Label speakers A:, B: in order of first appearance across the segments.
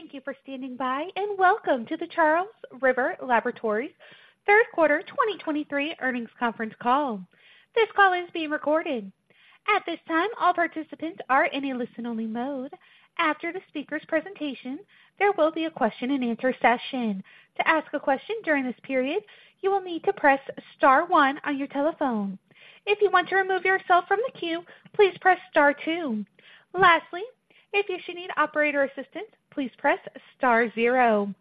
A: Thank you for standing by, and welcome to the Charles River Laboratories third quarter 2023 earnings conference call. This call is being recorded. At this time, all participants are in a listen-only mode. After the speaker's presentation, there will be a question-and-answer session. To ask a question during this period, you will need to press star one on your telephone. If you want to remove yourself from the queue, please press star two. Lastly, if you should need operator assistance, please press star zero.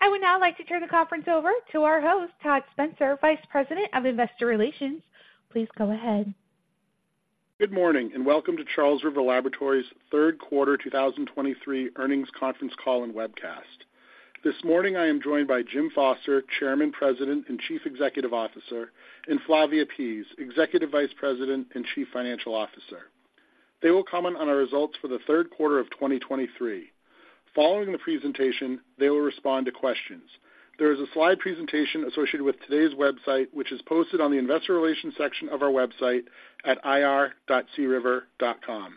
A: I would now like to turn the conference over to our host, Todd Spencer, Vice President of Investor Relations. Please go ahead.
B: Good morning, and welcome to Charles River Laboratories' third quarter 2023 earnings conference call and webcast. This morning, I am joined by Jim Foster, Chairman, President, and Chief Executive Officer, and Flavia Pease, Executive Vice President and Chief Financial Officer. They will comment on our results for the third quarter of 2023. Following the presentation, they will respond to questions. There is a slide presentation associated with today's website, which is posted on the investor relations section of our website at ir.criver.com.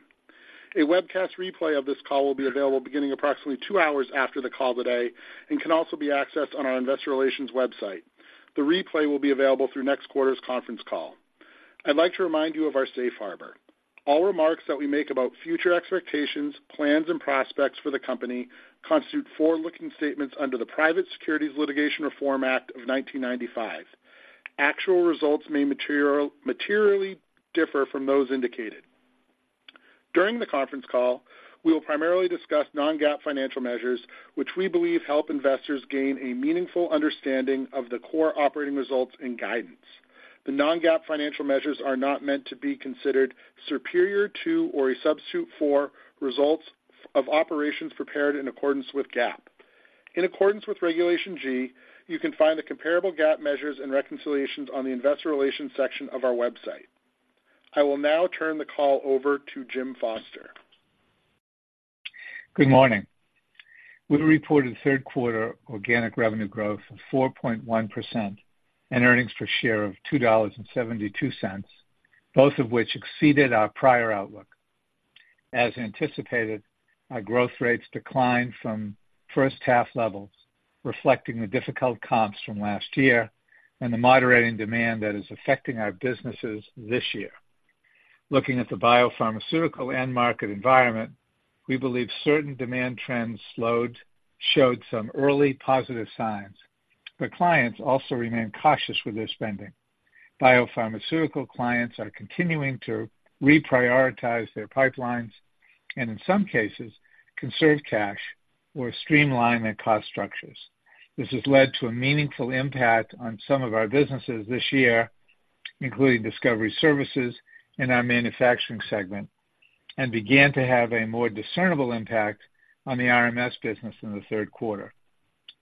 B: A webcast replay of this call will be available beginning approximately two hours after the call today and can also be accessed on our investor relations website. The replay will be available through next quarter's conference call. I'd like to remind you of our safe harbor. All remarks that we make about future expectations, plans, and prospects for the company constitute forward-looking statements under the Private Securities Litigation Reform Act of 1995. Actual results may materially differ from those indicated. During the conference call, we will primarily discuss non-GAAP financial measures, which we believe help investors gain a meaningful understanding of the core operating results and guidance. The non-GAAP financial measures are not meant to be considered superior to or a substitute for results of operations prepared in accordance with GAAP. In accordance with Regulation G, you can find the comparable GAAP measures and reconciliations on the investor relations section of our website. I will now turn the call over to Jim Foster.
C: Good morning. We reported third quarter organic revenue growth of 4.1% and earnings per share of $2.72, both of which exceeded our prior outlook. As anticipated, our growth rates declined from first half levels, reflecting the difficult comps from last year and the moderating demand that is affecting our businesses this year. Looking at the biopharmaceutical end market environment, we believe certain demand trends showed some early positive signs, but clients also remain cautious with their spending. Biopharmaceutical clients are continuing to reprioritize their pipelines and, in some cases, conserve cash or streamline their cost structures. This has led to a meaningful impact on some of our businesses this year, including discovery services and our manufacturing segment, and began to have a more discernible impact on the RMS business in the third quarter.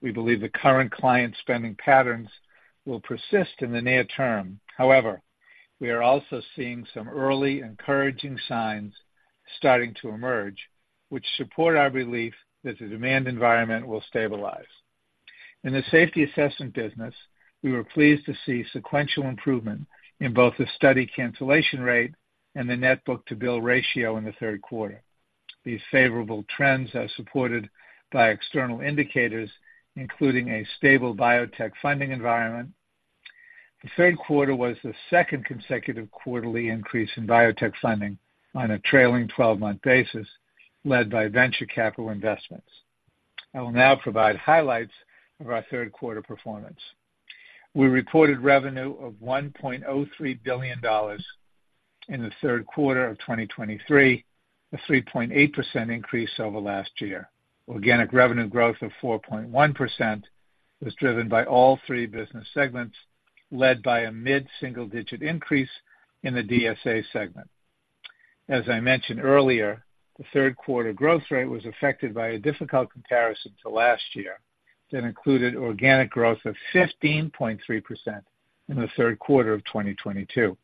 C: We believe the current client spending patterns will persist in the near term. However, we are also seeing some early encouraging signs starting to emerge, which support our belief that the demand environment will stabilize. In the safety assessment business, we were pleased to see sequential improvement in both the study cancellation rate and the net book-to-bill ratio in the third quarter. These favorable trends are supported by external indicators, including a stable biotech funding environment. The third quarter was the second consecutive quarterly increase in biotech funding on a trailing twelve-month basis, led by venture capital investments. I will now provide highlights of our third quarter performance. We reported revenue of $1.03 billion in the third quarter of 2023, a 3.8% increase over last year. Organic revenue growth of 4.1% was driven by all three business segments, led by a mid-single-digit increase in the DSA segment. As I mentioned earlier, the third quarter growth rate was affected by a difficult comparison to last year that included organic growth of 15.3% in the third quarter of 2022.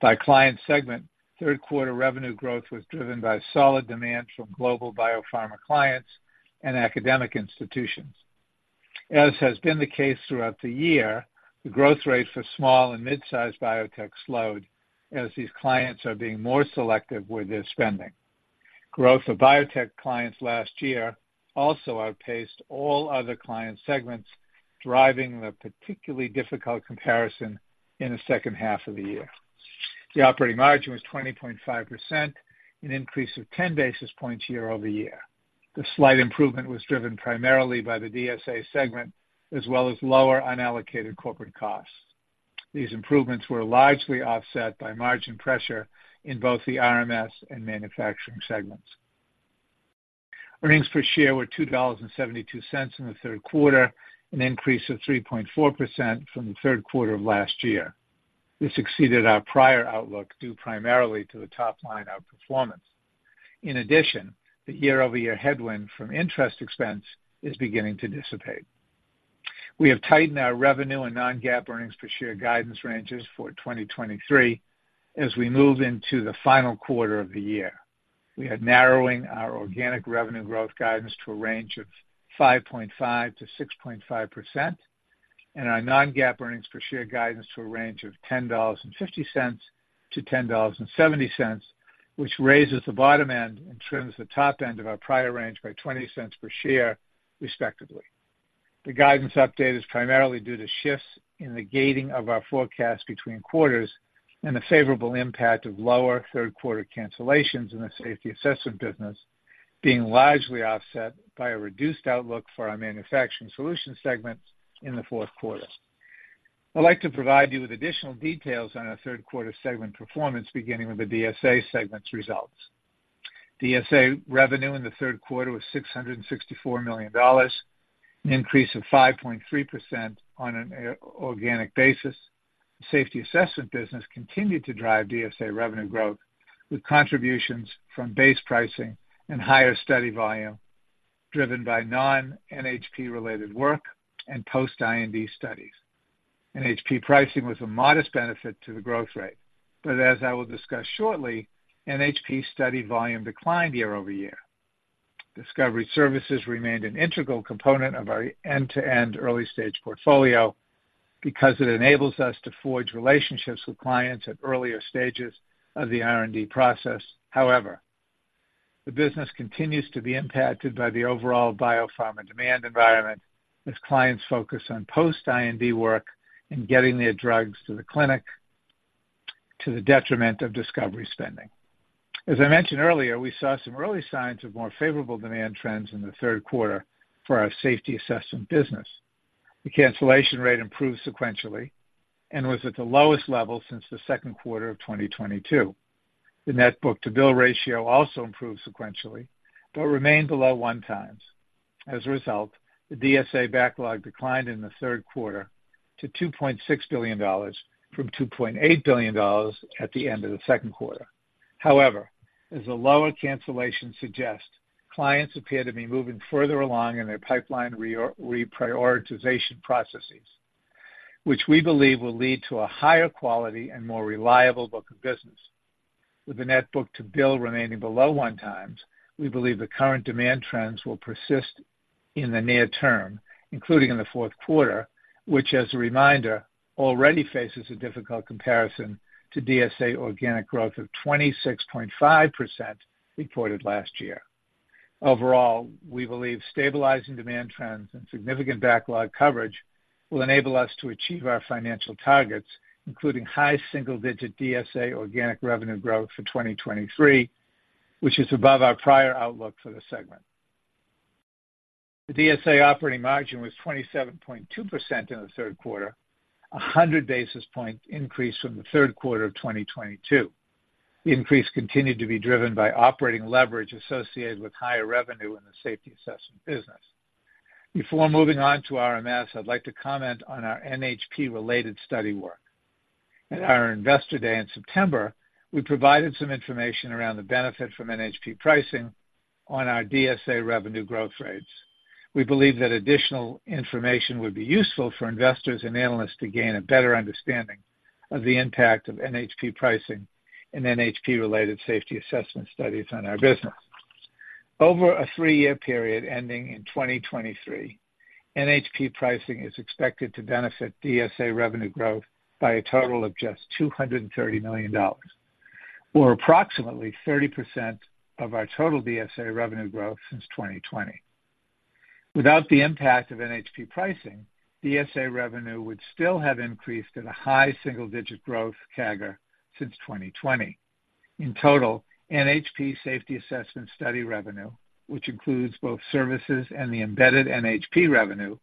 C: By client segment, third quarter revenue growth was driven by solid demand from global biopharma clients and academic institutions. As has been the case throughout the year, the growth rate for small and mid-sized biotech slowed as these clients are being more selective with their spending. Growth of biotech clients last year also outpaced all other client segments, driving the particularly difficult comparison in the second half of the year. The operating margin was 20.5%, an increase of 10 basis points year-over-year. The slight improvement was driven primarily by the DSA segment, as well as lower unallocated corporate costs. These improvements were largely offset by margin pressure in both the RMS and manufacturing segments. Earnings per share were $2.72 in the third quarter, an increase of 3.4% from the third quarter of last year. This exceeded our prior outlook, due primarily to the top-line outperformance. In addition, the year-over-year headwind from interest expense is beginning to dissipate. We have tightened our revenue and non-GAAP earnings per share guidance ranges for 2023 as we move into the final quarter of the year. We are narrowing our organic revenue growth guidance to a range of 5.5%-6.5%.... and our Non-GAAP earnings per share guidance to a range of $10.50-$10.70, which raises the bottom end and trims the top end of our prior range by 20 cents per share, respectively. The guidance update is primarily due to shifts in the gating of our forecast between quarters and the favorable impact of lower third quarter cancellations in the safety assessment business, being largely offset by a reduced outlook for our manufacturing solutions segment in the fourth quarter. I'd like to provide you with additional details on our third quarter segment performance, beginning with the DSA segment's results. DSA revenue in the third quarter was $664 million, an increase of 5.3% on an organic basis. Safety assessment business continued to drive DSA revenue growth, with contributions from base pricing and higher study volume, driven by non-NHP-related work and post-IND studies. NHP pricing was a modest benefit to the growth rate, but as I will discuss shortly, NHP study volume declined year-over-year. Discovery services remained an integral component of our end-to-end early-stage portfolio because it enables us to forge relationships with clients at earlier stages of the R&D process. However, the business continues to be impacted by the overall biopharma demand environment as clients focus on post-IND work and getting their drugs to the clinic, to the detriment of discovery spending. As I mentioned earlier, we saw some early signs of more favorable demand trends in the third quarter for our safety assessment business. The cancellation rate improved sequentially and was at the lowest level since the second quarter of 2022. The net book-to-bill ratio also improved sequentially, but remained below 1x. As a result, the DSA backlog declined in the third quarter to $2.6 billion from $2.8 billion at the end of the second quarter. However, as the lower cancellation suggests, clients appear to be moving further along in their pipeline reprioritization processes, which we believe will lead to a higher quality and more reliable book of business. With the net book to bill remaining below 1x, we believe the current demand trends will persist in the near term, including in the fourth quarter, which, as a reminder, already faces a difficult comparison to DSA organic growth of 26.5% reported last year. Overall, we believe stabilizing demand trends and significant backlog coverage will enable us to achieve our financial targets, including high single-digit DSA organic revenue growth for 2023, which is above our prior outlook for the segment. The DSA operating margin was 27.2% in the third quarter, a 100 basis point increase from the third quarter of 2022. The increase continued to be driven by operating leverage associated with higher revenue in the safety assessment business. Before moving on to RMS, I'd like to comment on our NHP-related study work. At our Investor Day in September, we provided some information around the benefit from NHP pricing on our DSA revenue growth rates. We believe that additional information would be useful for investors and analysts to gain a better understanding of the impact of NHP pricing and NHP-related safety assessment studies on our business. Over a three-year period ending in 2023, NHP pricing is expected to benefit DSA revenue growth by a total of just $230 million, or approximately 30% of our total DSA revenue growth since 2020. Without the impact of NHP pricing, DSA revenue would still have increased at a high single-digit growth CAGR since 2020. In total, NHP safety assessment study revenue, which includes both services and the embedded NHP revenue,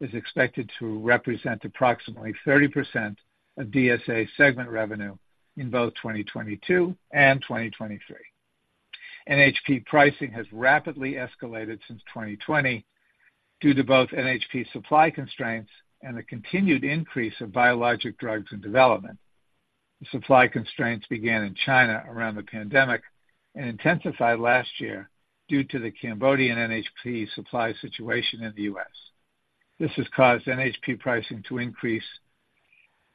C: is expected to represent approximately 30% of DSA segment revenue in both 2022 and 2023. NHP pricing has rapidly escalated since 2020 due to both NHP supply constraints and the continued increase of biologic drugs and development. The supply constraints began in China around the pandemic and intensified last year due to the Cambodian NHP supply situation in the U.S. This has caused NHP pricing to increase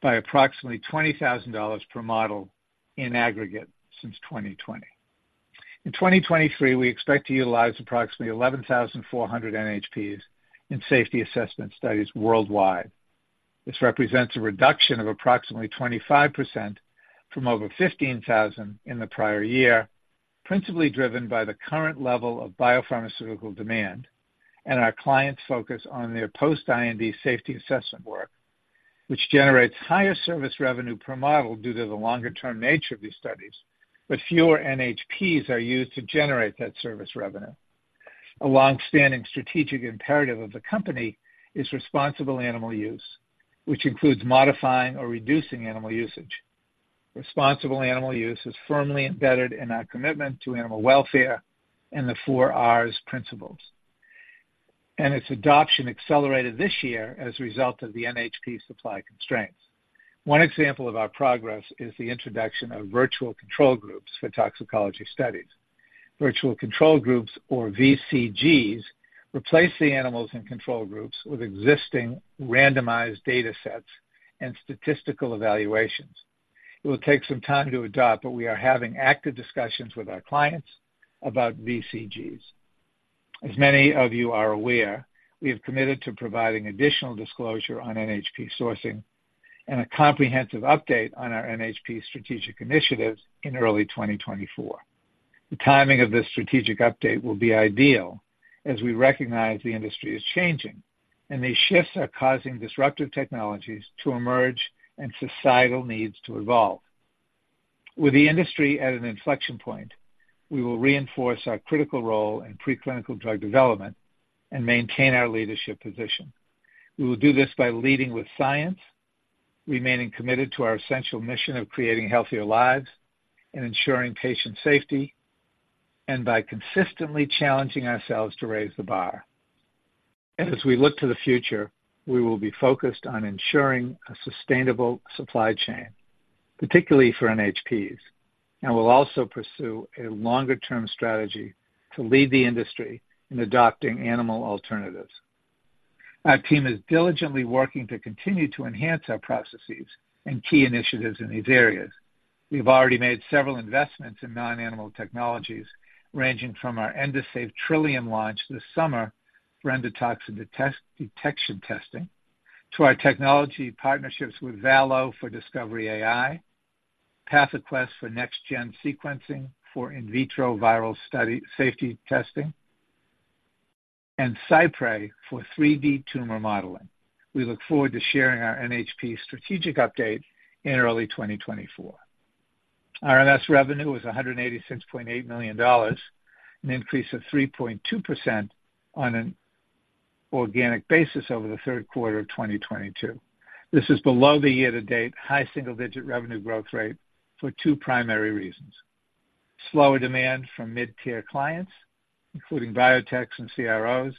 C: by approximately $20,000 per model in aggregate since 2020. In 2023, we expect to utilize approximately 11,400 NHPs in safety assessment studies worldwide. This represents a reduction of approximately 25% from over 15,000 in the prior year, principally driven by the current level of biopharmaceutical demand and our clients' focus on their post-IND safety assessment work, which generates higher service revenue per model due to the longer-term nature of these studies, but fewer NHPs are used to generate that service revenue. A long-standing strategic imperative of the company is responsible animal use, which includes modifying or reducing animal usage. Responsible animal use is firmly embedded in our commitment to animal welfare and the four Rs principles, and its adoption accelerated this year as a result of the NHP supply constraints. One example of our progress is the introduction of virtual control groups for toxicology studies. Virtual control groups, or VCGs, replace the animals in control groups with existing randomized datasets and statistical evaluations. It will take some time to adopt, but we are having active discussions with our clients about VCGs. As many of you are aware, we have committed to providing additional disclosure on NHP sourcing and a comprehensive update on our NHP strategic initiatives in early 2024. The timing of this strategic update will be ideal, as we recognize the industry is changing, and these shifts are causing disruptive technologies to emerge and societal needs to evolve. With the industry at an inflection point, we will reinforce our critical role in preclinical drug development and maintain our leadership position. We will do this by leading with science, remaining committed to our essential mission of creating healthier lives and ensuring patient safety, and by consistently challenging ourselves to raise the bar. As we look to the future, we will be focused on ensuring a sustainable supply chain, particularly for NHPs, and we'll also pursue a longer-term strategy to lead the industry in adopting animal alternatives. Our team is diligently working to continue to enhance our processes and key initiatives in these areas. We've already made several investments in non-animal technologies, ranging from our Endosafe Trillium launch this summer for endotoxin detection testing, to our technology partnerships with Valo for Discovery AI, PathoQuest for next-gen sequencing for in vitro viral study safety testing, and Cypre for 3D tumor modeling. We look forward to sharing our NHP strategic update in early 2024. RMS revenue was $186.8 million, an increase of 3.2% on an organic basis over the third quarter of 2022. This is below the year-to-date high single-digit revenue growth rate for two primary reasons: slower demand from mid-tier clients, including biotechs and CROs,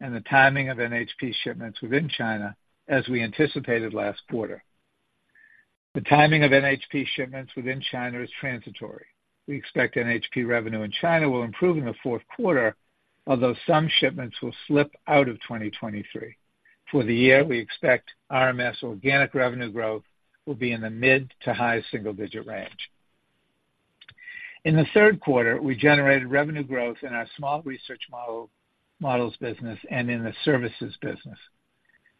C: and the timing of NHP shipments within China, as we anticipated last quarter. The timing of NHP shipments within China is transitory. We expect NHP revenue in China will improve in the fourth quarter, although some shipments will slip out of 2023. For the year, we expect RMS organic revenue growth will be in the mid to high single-digit range. In the third quarter, we generated revenue growth in our small research models business and in the services business.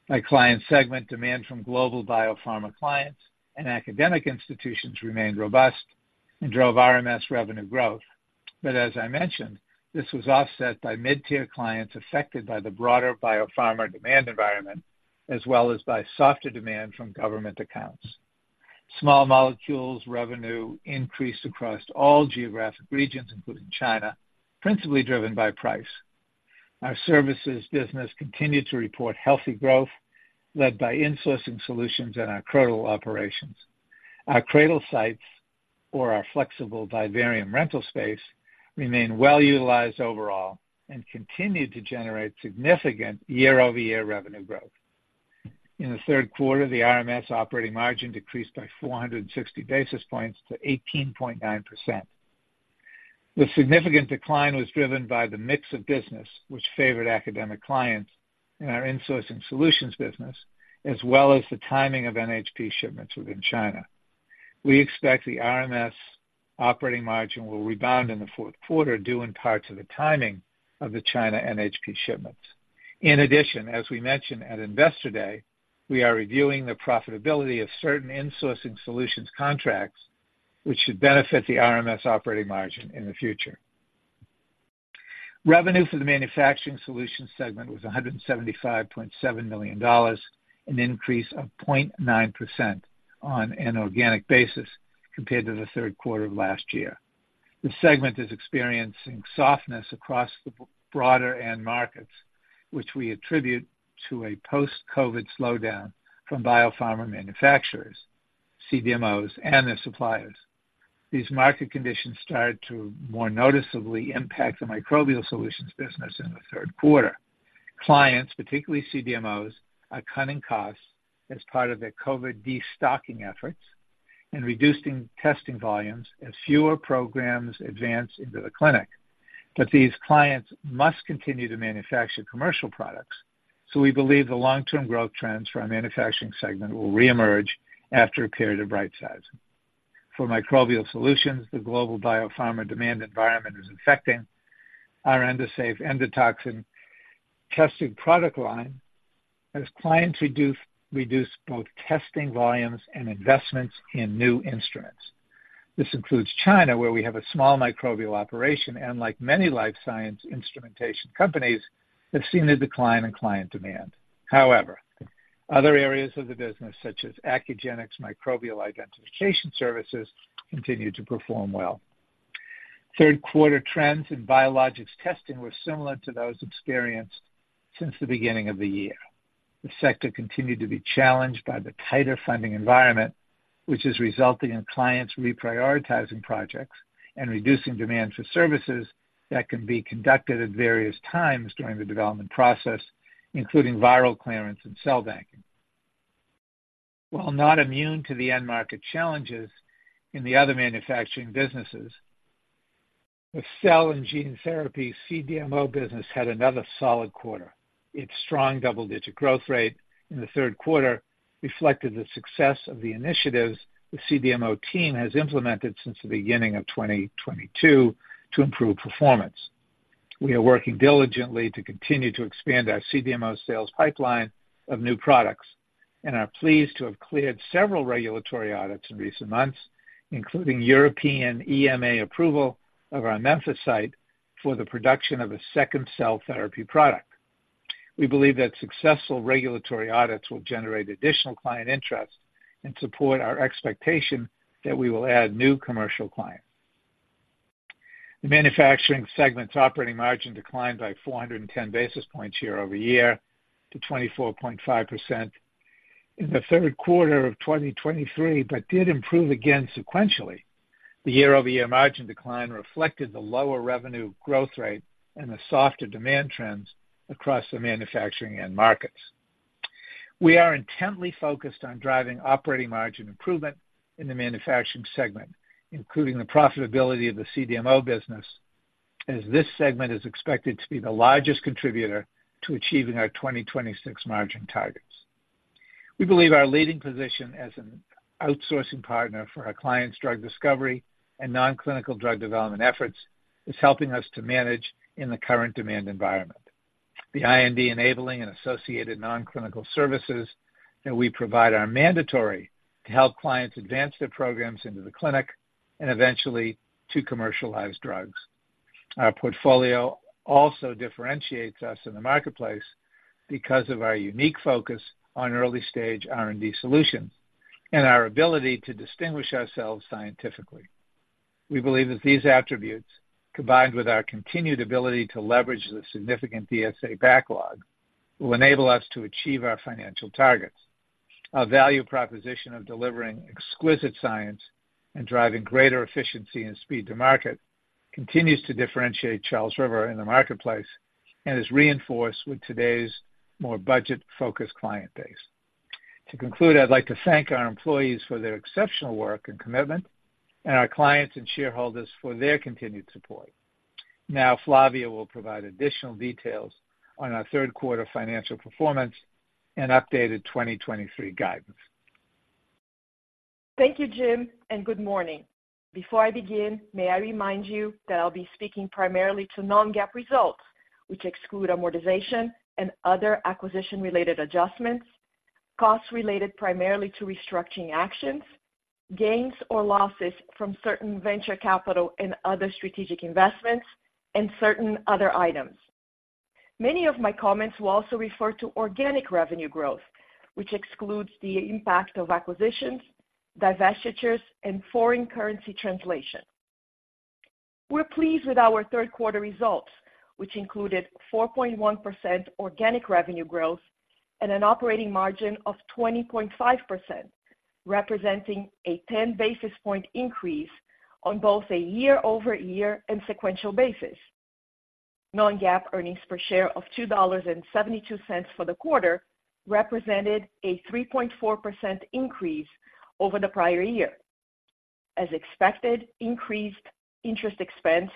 C: By client segment, demand from global biopharma clients and academic institutions remained robust and drove RMS revenue growth. But as I mentioned, this was offset by mid-tier clients affected by the broader biopharma demand environment, as well as by softer demand from government accounts. Small molecules revenue increased across all geographic regions, including China, principally driven by price. Our services business continued to report healthy growth, led by insourcing solutions and our CRADL operations. Our CRADL sites, or our flexible vivarium rental space, remain well-utilized overall and continued to generate significant year-over-year revenue growth. In the third quarter, the RMS operating margin decreased by 460 basis points to 18.9%. The significant decline was driven by the mix of business, which favored academic clients in our insourcing solutions business, as well as the timing of NHP shipments within China. We expect the RMS operating margin will rebound in the fourth quarter, due in part to the timing of the China NHP shipments. In addition, as we mentioned at Investor Day, we are reviewing the profitability of certain insourcing solutions contracts, which should benefit the RMS operating margin in the future. Revenue for the manufacturing solutions segment was $175.7 million, an increase of 0.9% on an organic basis compared to the third quarter of last year. This segment is experiencing softness across the broader end markets, which we attribute to a post-COVID slowdown from biopharma manufacturers, CDMOs, and their suppliers. These market conditions started to more noticeably impact the microbial solutions business in the third quarter. Clients, particularly CDMOs, are cutting costs as part of their COVID destocking efforts and reducing testing volumes as fewer programs advance into the clinic. But these clients must continue to manufacture commercial products, so we believe the long-term growth trends for our manufacturing segment will reemerge after a period of right sizing. For microbial solutions, the global biopharma demand environment is affecting our Endosafe endotoxin testing product line as clients reduce both testing volumes and investments in new instruments. This includes China, where we have a small microbial operation, and like many life science instrumentation companies, have seen a decline in client demand. However, other areas of the business, such as Accugenix microbial identification services, continue to perform well. Third quarter trends in biologics testing were similar to those experienced since the beginning of the year. The sector continued to be challenged by the tighter funding environment, which is resulting in clients reprioritizing projects and reducing demand for services that can be conducted at various times during the development process, including viral clearance and cell banking. While not immune to the end market challenges in the other manufacturing businesses, the cell and gene therapy CDMO business had another solid quarter. Its strong double-digit growth rate in the third quarter reflected the success of the initiatives the CDMO team has implemented since the beginning of 2022 to improve performance. We are working diligently to continue to expand our CDMO sales pipeline of new products, and are pleased to have cleared several regulatory audits in recent months, including European EMA approval of our Memphis site for the production of a second cell therapy product. We believe that successful regulatory audits will generate additional client interest and support our expectation that we will add new commercial clients. The manufacturing segment's operating margin declined by 410 basis points year-over-year to 24.5% in the third quarter of 2023, but did improve again sequentially. The year-over-year margin decline reflected the lower revenue growth rate and the softer demand trends across the manufacturing end markets. We are intently focused on driving operating margin improvement in the manufacturing segment, including the profitability of the CDMO business, as this segment is expected to be the largest contributor to achieving our 2026 margin targets. We believe our leading position as an outsourcing partner for our clients' drug discovery and non-clinical drug development efforts, is helping us to manage in the current demand environment. The IND enabling and associated non-clinical services that we provide are mandatory to help clients advance their programs into the clinic and eventually to commercialize drugs. Our portfolio also differentiates us in the marketplace because of our unique focus on early-stage R&D solutions and our ability to distinguish ourselves scientifically. We believe that these attributes, combined with our continued ability to leverage the significant DSA backlog, will enable us to achieve our financial targets. Our value proposition of delivering exquisite science and driving greater efficiency and speed to market continues to differentiate Charles River in the marketplace and is reinforced with today's more budget-focused client base. To conclude, I'd like to thank our employees for their exceptional work and commitment, and our clients and shareholders for their continued support. Now, Flavia will provide additional details on our third quarter financial performance and updated 2023 guidance.
D: Thank you, Jim, and good morning. Before I begin, may I remind you that I'll be speaking primarily to non-GAAP results, which exclude amortization and other acquisition-related adjustments, costs related primarily to restructuring actions, gains or losses from certain venture capital and other strategic investments, and certain other items. Many of my comments will also refer to organic revenue growth, which excludes the impact of acquisitions, divestitures, and foreign currency translation. We're pleased with our third quarter results, which included 4.1% organic revenue growth and an operating margin of 20.5%, representing a 10 basis point increase on both a year-over-year and sequential basis. Non-GAAP earnings per share of $2.72 for the quarter represented a 3.4% increase over the prior year. As expected, increased interest expense,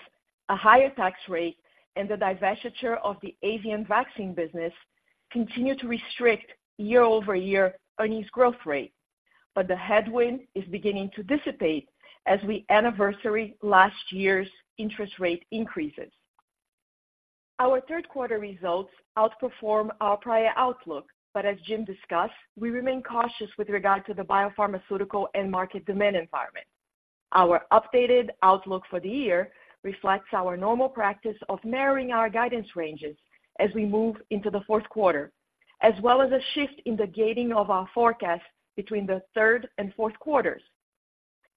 D: a higher tax rate, and the divestiture of the avian vaccine business continued to restrict year-over-year earnings growth rate, but the headwind is beginning to dissipate as we anniversary last year's interest rate increases. Our third quarter results outperform our prior outlook, but as Jim discussed, we remain cautious with regard to the biopharmaceutical and market demand environment. Our updated outlook for the year reflects our normal practice of narrowing our guidance ranges as we move into the fourth quarter, as well as a shift in the gating of our forecast between the third and fourth quarters.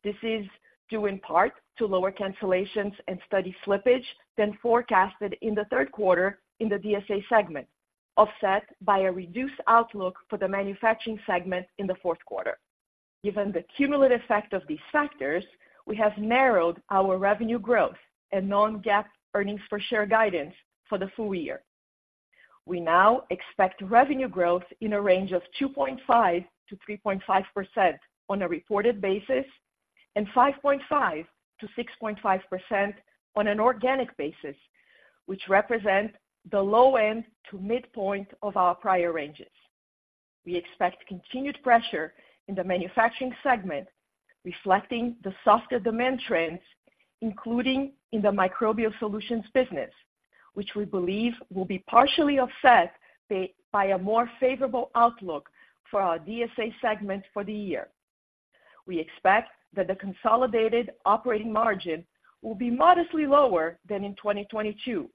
D: This is due in part to lower cancellations and study slippage than forecasted in the third quarter in the DSA segment, offset by a reduced outlook for the manufacturing segment in the fourth quarter. Given the cumulative effect of these factors, we have narrowed our revenue growth and non-GAAP earnings per share guidance for the full year. We now expect revenue growth in a range of 2.5%-3.5% on a reported basis and 5.5%-6.5% on an organic basis, which represent the low end to midpoint of our prior ranges. We expect continued pressure in the manufacturing segment, reflecting the softer demand trends, including in the microbial solutions business, which we believe will be partially offset by a more favorable outlook for our DSA segment for the year. We expect that the consolidated operating margin will be modestly lower than in 2022,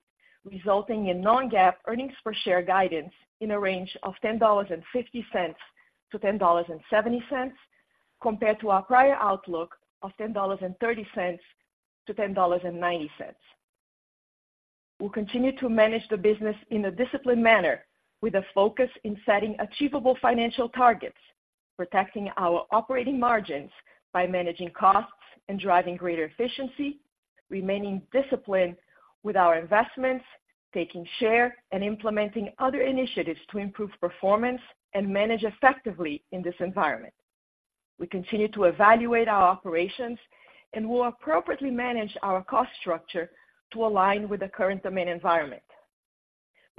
D: resulting in non-GAAP earnings per share guidance in a range of $10.50-$10.70, compared to our prior outlook of $10.30-$10.90. We'll continue to manage the business in a disciplined manner, with a focus in setting achievable financial targets, protecting our operating margins by managing costs and driving greater efficiency, remaining disciplined with our investments, taking share, and implementing other initiatives to improve performance and manage effectively in this environment.... We continue to evaluate our operations and will appropriately manage our cost structure to align with the current demand environment.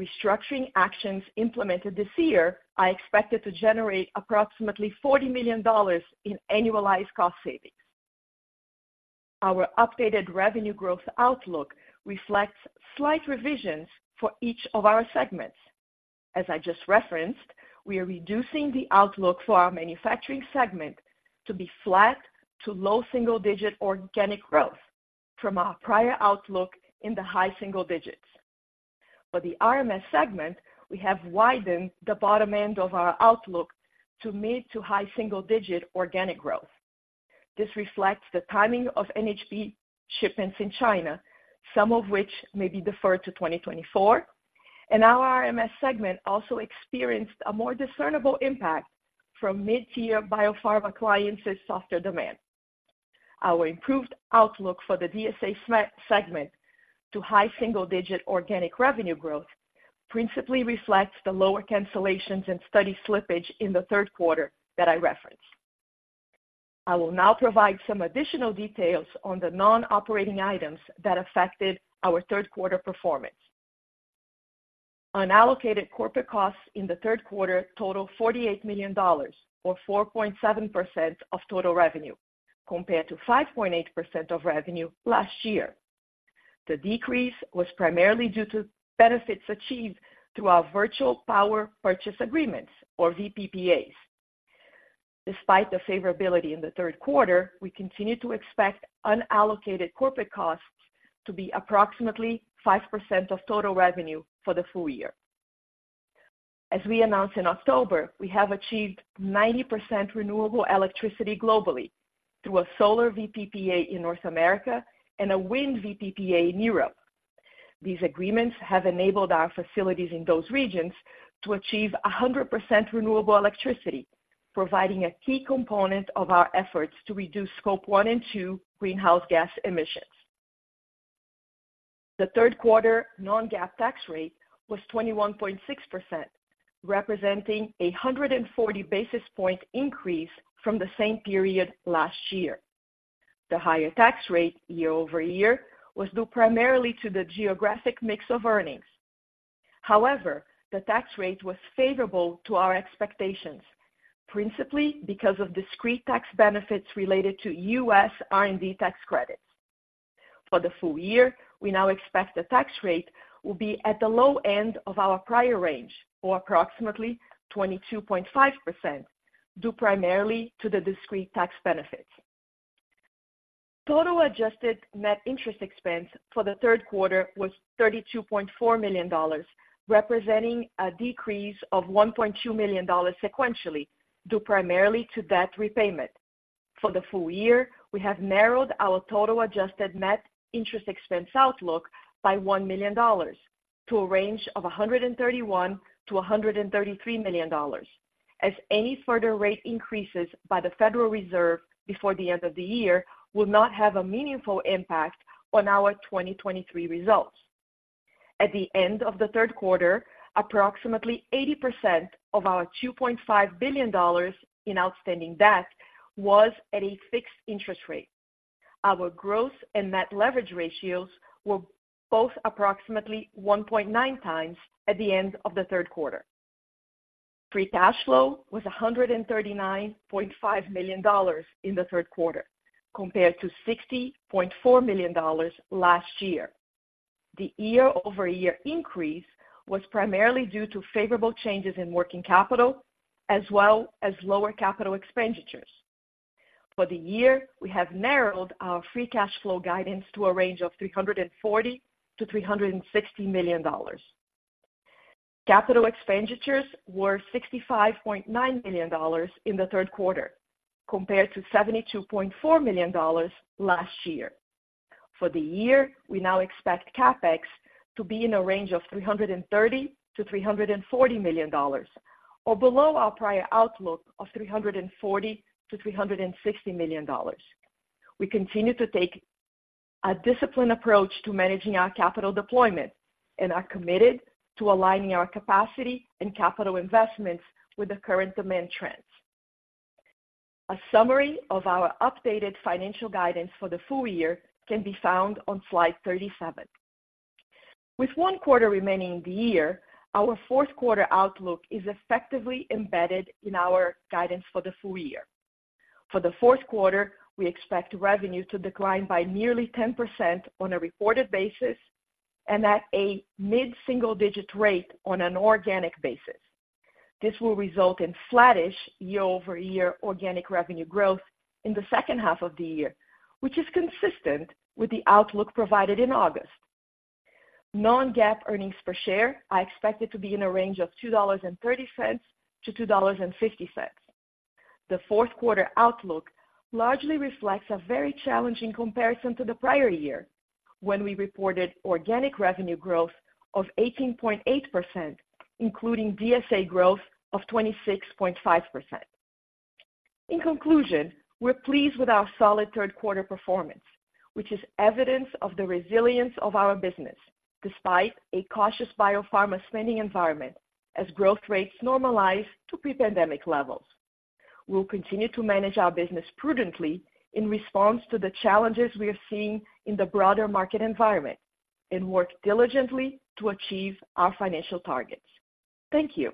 D: Restructuring actions implemented this year are expected to generate approximately $40 million in annualized cost savings. Our updated revenue growth outlook reflects slight revisions for each of our segments. As I just referenced, we are reducing the outlook for our manufacturing segment to be flat to low single-digit organic growth from our prior outlook in the high single-digits. For the RMS segment, we have widened the bottom end of our outlook to mid- to high single-digit organic growth. This reflects the timing of NHP shipments in China, some of which may be deferred to 2024, and our RMS segment also experienced a more discernible impact from mid-tier biopharma clients' softer demand. Our improved outlook for the DSA segment to high single-digit organic revenue growth principally reflects the lower cancellations and study slippage in the third quarter that I referenced. I will now provide some additional details on the non-operating items that affected our third quarter performance. Unallocated corporate costs in the third quarter total $48 million, or 4.7% of total revenue, compared to 5.8% of revenue last year. The decrease was primarily due to benefits achieved through our virtual power purchase agreements, or VPPAs. Despite the favorability in the third quarter, we continue to expect unallocated corporate costs to be approximately 5% of total revenue for the full year. As we announced in October, we have achieved 90% renewable electricity globally through a solar VPPA in North America and a wind VPPA in Europe. These agreements have enabled our facilities in those regions to achieve 100% renewable electricity, providing a key component of our efforts to reduce Scope one and two greenhouse gas emissions. The third quarter non-GAAP tax rate was 21.6%, representing a 140 basis point increase from the same period last year. The higher tax rate year-over-year was due primarily to the geographic mix of earnings. However, the tax rate was favorable to our expectations, principally because of discrete tax benefits related to U.S. R&D tax credits. For the full year, we now expect the tax rate will be at the low end of our prior range, or approximately 22.5%, due primarily to the discrete tax benefits. Total adjusted net interest expense for the third quarter was $32.4 million, representing a decrease of $1.2 million sequentially, due primarily to debt repayment. For the full year, we have narrowed our total adjusted net interest expense outlook by $1 million to a range of $131 million-$133 million, as any further rate increases by the Federal Reserve before the end of the year will not have a meaningful impact on our 2023 results. At the end of the third quarter, approximately 80% of our $2.5 billion in outstanding debt was at a fixed interest rate. Our growth and net leverage ratios were both approximately 1.9 times at the end of the third quarter. Free cash flow was $139.5 million in the third quarter, compared to $60.4 million last year. The year-over-year increase was primarily due to favorable changes in working capital, as well as lower capital expenditures. For the year, we have narrowed our free cash flow guidance to a range of $340 million-$360 million. Capital expenditures were $65.9 million in the third quarter, compared to $72.4 million last year. For the year, we now expect CapEx to be in a range of $330 million-$340 million, or below our prior outlook of $340 million-$360 million. We continue to take a disciplined approach to managing our capital deployment and are committed to aligning our capacity and capital investments with the current demand trends. A summary of our updated financial guidance for the full year can be found on slide 37. With one quarter remaining in the year, our fourth quarter outlook is effectively embedded in our guidance for the full year. For the fourth quarter, we expect revenue to decline by nearly 10% on a reported basis and at a mid-single digit rate on an organic basis. This will result in flattish year-over-year organic revenue growth in the second half of the year, which is consistent with the outlook provided in August. Non-GAAP earnings per share are expected to be in a range of $2.30-$2.50. The fourth quarter outlook largely reflects a very challenging comparison to the prior year, when we reported organic revenue growth of 18.8%, including DSA growth of 26.5%. In conclusion, we're pleased with our solid third quarter performance, which is evidence of the resilience of our business despite a cautious biopharma spending environment.... as growth rates normalize to pre-pandemic levels. We'll continue to manage our business prudently in response to the challenges we are seeing in the broader market environment and work diligently to achieve our financial targets. Thank you.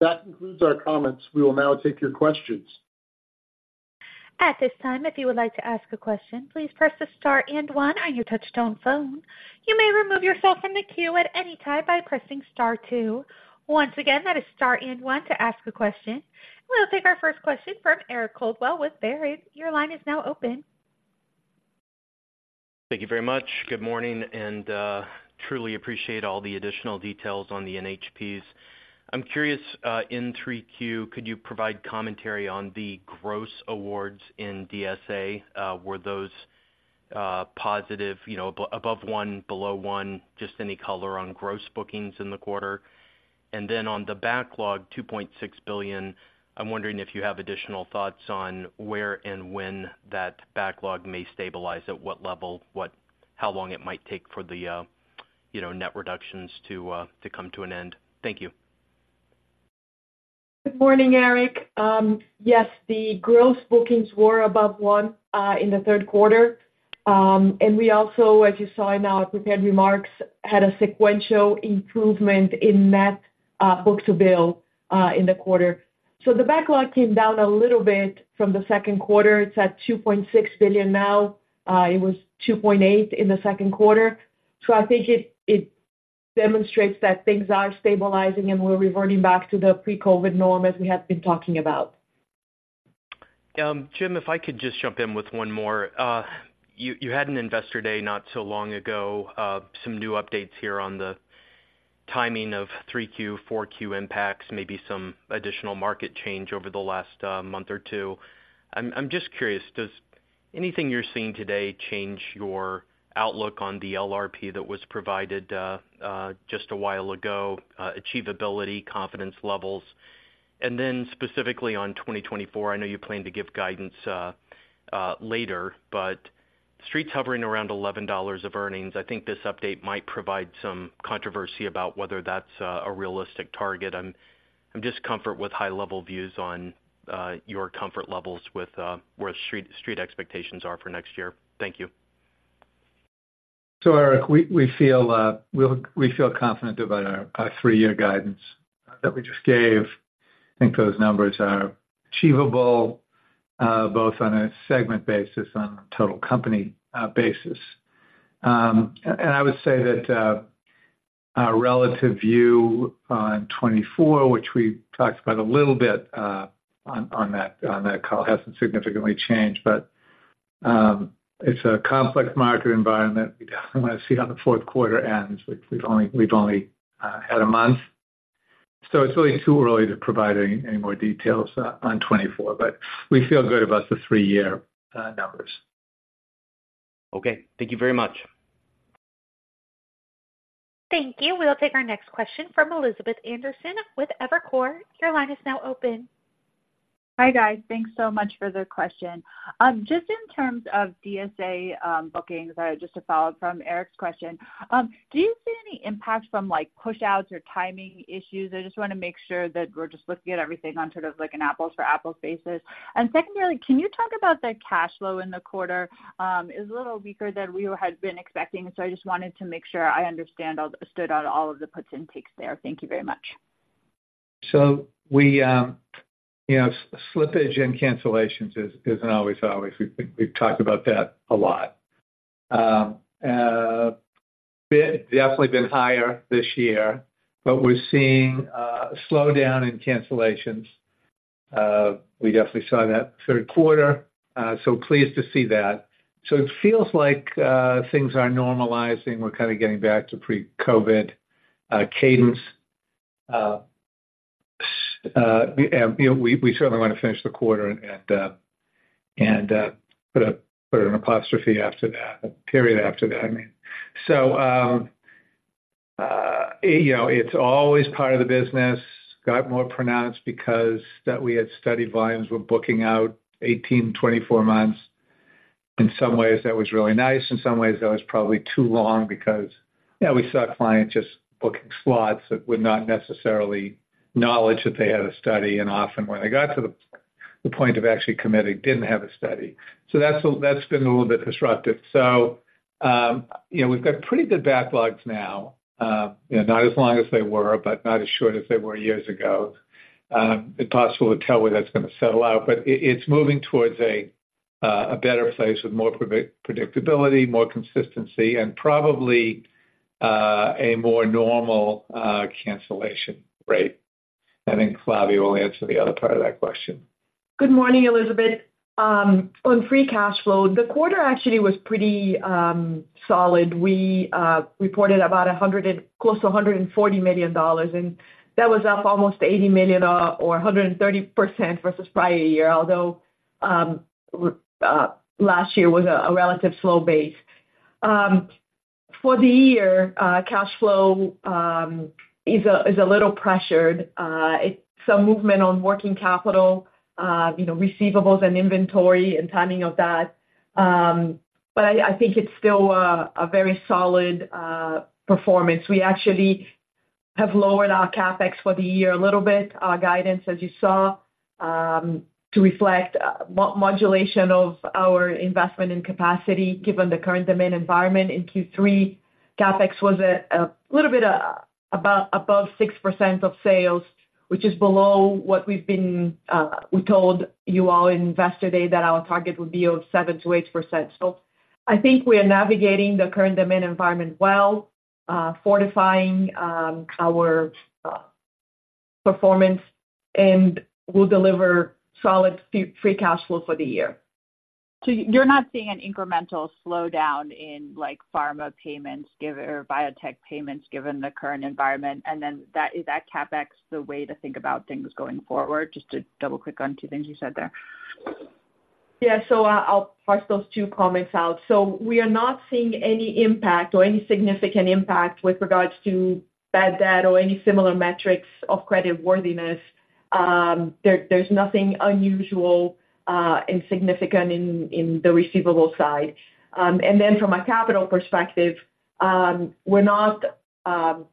C: That concludes our comments. We will now take your questions.
A: At this time, if you would like to ask a question, please press the star and one on your touchtone phone. You may remove yourself from the queue at any time by pressing star two. Once again, that is star and one to ask a question. We'll take our first question from Eric Coldwell with Baird. Your line is now open.
E: Thank you very much. Good morning, and truly appreciate all the additional details on the NHPs. I'm curious, in 3Q, could you provide commentary on the gross awards in DSA? Were those positive, you know, above one, below one? Just any color on gross bookings in the quarter. And then on the backlog, $2.6 billion, I'm wondering if you have additional thoughts on where and when that backlog may stabilize, at what level, what how long it might take for the, you know, net reductions to come to an end. Thank you.
D: Good morning, Eric. Yes, the gross bookings were above one in the third quarter. And we also, as you saw in our prepared remarks, had a sequential improvement in net book-to-bill in the quarter. So the backlog came down a little bit from the second quarter. It's at $2.6 billion now. It was $2.8 billion in the second quarter. So I think it demonstrates that things are stabilizing, and we're reverting back to the pre-COVID norm, as we have been talking about.
E: Jim, if I could just jump in with one more. You had an investor day not so long ago. Some new updates here on the timing of 3Q, 4Q impacts, maybe some additional market change over the last month or two. I'm just curious, does anything you're seeing today change your outlook on the LRP that was provided just a while ago, achievability, confidence levels? And then specifically on 2024, I know you plan to give guidance later, but Street's hovering around $11 of earnings. I think this update might provide some controversy about whether that's a realistic target. I'm just comfort with high-level views on your comfort levels with where Street expectations are for next year. Thank you.
C: So, Eric, we feel confident about our three-year guidance that we just gave. I think those numbers are achievable, both on a segment basis and on a total company basis. And I would say that our relative view on 2024, which we talked about a little bit, on that call, hasn't significantly changed. But it's a complex market environment. We definitely want to see how the fourth quarter ends. We've only had a month, so it's really too early to provide any more details on 2024, but we feel good about the three-year numbers.
E: Okay. Thank you very much.
A: Thank you. We'll take our next question from Elizabeth Anderson with Evercore. Your line is now open.
F: Hi, guys. Thanks so much for the question. Just in terms of DSA, bookings, just to follow up from Eric's question, do you see any impact from, like, pushouts or timing issues? I just wanna make sure that we're just looking at everything on sort of like an apples-for-apples basis. And secondly, can you talk about the cash flow in the quarter? It's a little weaker than we had been expecting, so I just wanted to make sure I understand all the puts and takes there. Thank you very much.
C: So we, you know, slippage and cancellations isn't always always. We've talked about that a lot. Definitely been higher this year, but we're seeing a slowdown in cancellations. We definitely saw that third quarter, so pleased to see that. So it feels like things are normalizing. We're kind of getting back to pre-COVID cadence. You know, we certainly want to finish the quarter and put an apostrophe after that, a period after that, I mean. So, you know, it's always part of the business, got more pronounced because that we had study volumes, we're booking out 18-24 months. In some ways, that was really nice. In some ways, that was probably too long because, yeah, we saw clients just booking slots that would not necessarily acknowledge that they had a study, and often when they got to the point of actually committing, didn't have a study. So that's a, that's been a little bit disruptive. So, you know, we've got pretty good backlogs now. You know, not as long as they were, but not as short as they were years ago. Impossible to tell where that's going to settle out, but it's moving towards a better place with more predictability, more consistency, and probably a more normal cancellation rate. I think Flavia will answer the other part of that question.
D: Good morning, Elizabeth. On free cash flow, the quarter actually was pretty solid. We reported close to $140 million, and that was up almost $80 million, or 130% versus prior year, although last year was a relatively slow base. For the year, cash flow is a little pressured. It's some movement on working capital, you know, receivables and inventory and timing of that. But I think it's still a very solid performance. We actually have lowered our CapEx for the year a little bit, our guidance, as you saw, to reflect modulation of our investment in capacity, given the current demand environment in Q3. CapEx was a little bit above 6% of sales, which is below what we told you all in Investor Day, that our target would be of 7%-8%. So I think we are navigating the current demand environment well, fortifying our performance, and we'll deliver solid free cash flow for the year.
G: So you're not seeing an incremental slowdown in, like, pharma payments or biotech payments, given the current environment? And then is that CapEx, the way to think about things going forward? Just to double-click on two things you said there.
D: Yeah. So I'll parse those two comments out. So we are not seeing any impact or any significant impact with regards to bad debt or any similar metrics of creditworthiness. There's nothing unusual and significant in the receivable side. And then from a capital perspective, we're not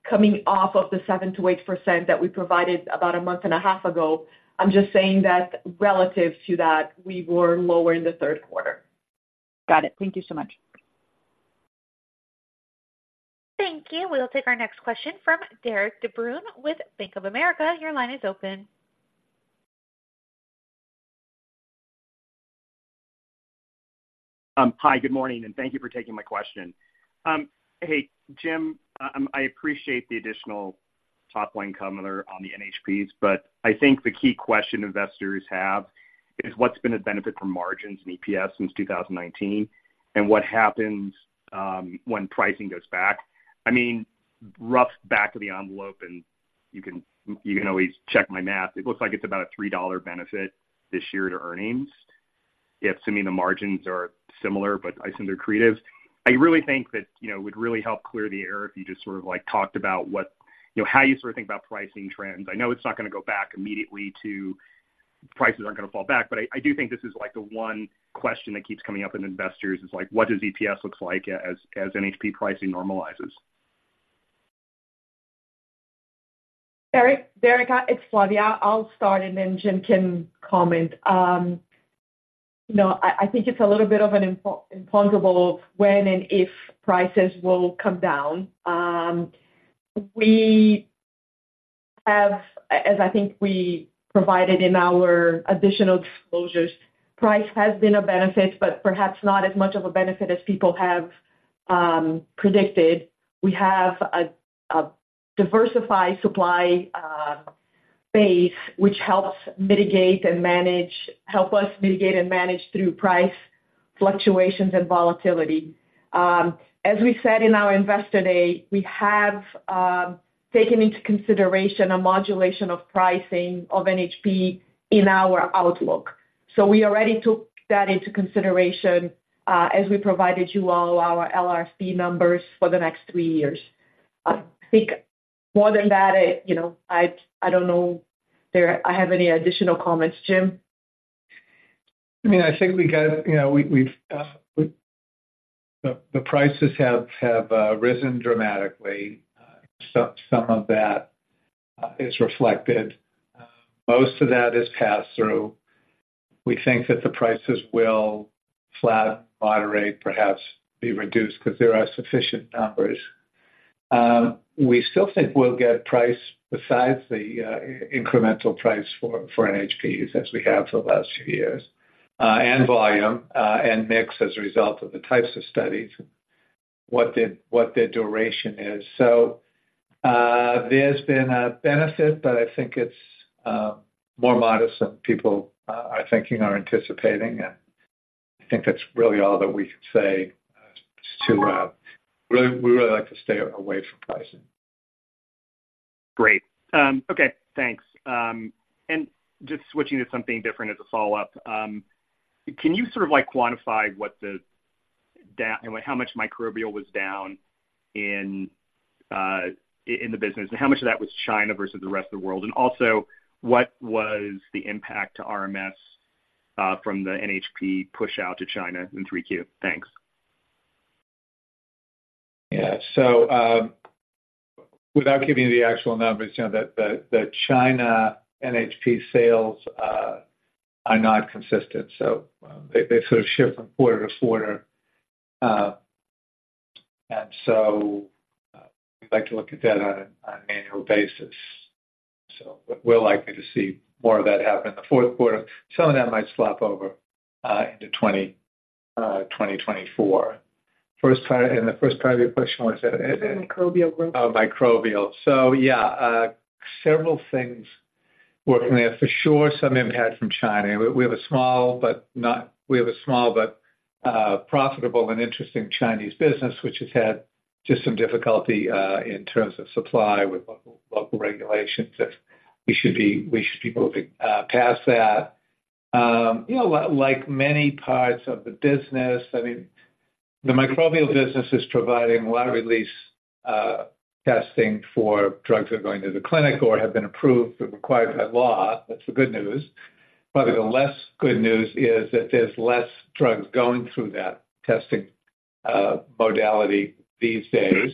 D: coming off of the 7%-8% that we provided about a month and a half ago. I'm just saying that relative to that, we were lower in the third quarter.
G: Got it. Thank you so much.
A: Thank you. We'll take our next question from Derik de Bruin with Bank of America. Your line is open.
H: Hi, good morning, and thank you for taking my question. Hey, Jim, I appreciate the additional top line color on the NHPs, but I think the key question investors have is, what's been the benefit for margins and EPS since 2019? And what happens when pricing goes back? I mean, rough back of the envelope, and you can always check my math. It looks like it's about a $3 benefit this year to earnings, if assuming the margins are similar, but I assume they're greater. I really think that, you know, it would really help clear the air if you just sort of, like, talked about what- you know, how you sort of think about pricing trends. I know it's not gonna go back immediately to... Prices aren't gonna fall back, but I do think this is, like, the one question that keeps coming up in investors is, like, what does EPS look like as NHP pricing normalizes?
D: Derek, it's Flavia. I'll start, and then Jim can comment. You know, I think it's a little bit of an impossible when and if prices will come down. We have, as I think we provided in our additional disclosures, price has been a benefit, but perhaps not as much of a benefit as people have predicted. We have a diversified supply base, which helps us mitigate and manage through price fluctuations and volatility. As we said in our Investor Day, we have taken into consideration a modulation of pricing of NHP in our outlook. So we already took that into consideration, as we provided you all our LRF numbers for the next three years. I think more than that, you know, I don't know if I have any additional comments. Jim?
C: I mean, I think we got, you know, the prices have risen dramatically. Some of that is reflected. Most of that is passed through. We think that the prices will flat, moderate, perhaps be reduced, because there are sufficient numbers. We still think we'll get price besides the incremental price for NHPs, as we have for the last few years, and volume, and mix as a result of the types of studies, what their duration is. So, there's been a benefit, but I think it's more modest than people are thinking or anticipating, and I think that's really all that we can say. As to really, we really like to stay away from pricing.
H: Great. Okay, thanks. And just switching to something different as a follow-up. Can you sort of, like, quantify what the down and like how much microbial was down in the business? And how much of that was China versus the rest of the world? And also, what was the impact to RMS from the NHP push out to China in 3Q? Thanks.
C: Yeah. So, without giving you the actual numbers, you know, the China NHP sales are not consistent, so they sort of shift from quarter to quarter. And so, we'd like to look at that on an annual basis. So we're likely to see more of that happen in the fourth quarter. Some of that might slop over into 2024. First part—and the first part of your question was.
D: Microbial growth.
C: Oh, microbial. So yeah, several things working there. For sure, some impact from China. We have a small but profitable and interesting Chinese business, which has had just some difficulty in terms of supply with local regulations that we should be moving past that. You know, like many parts of the business, I mean, the microbial business is providing wide release testing for drugs that are going to the clinic or have been approved, but required by law. That's the good news. But the less good news is that there's less drugs going through that testing modality these days.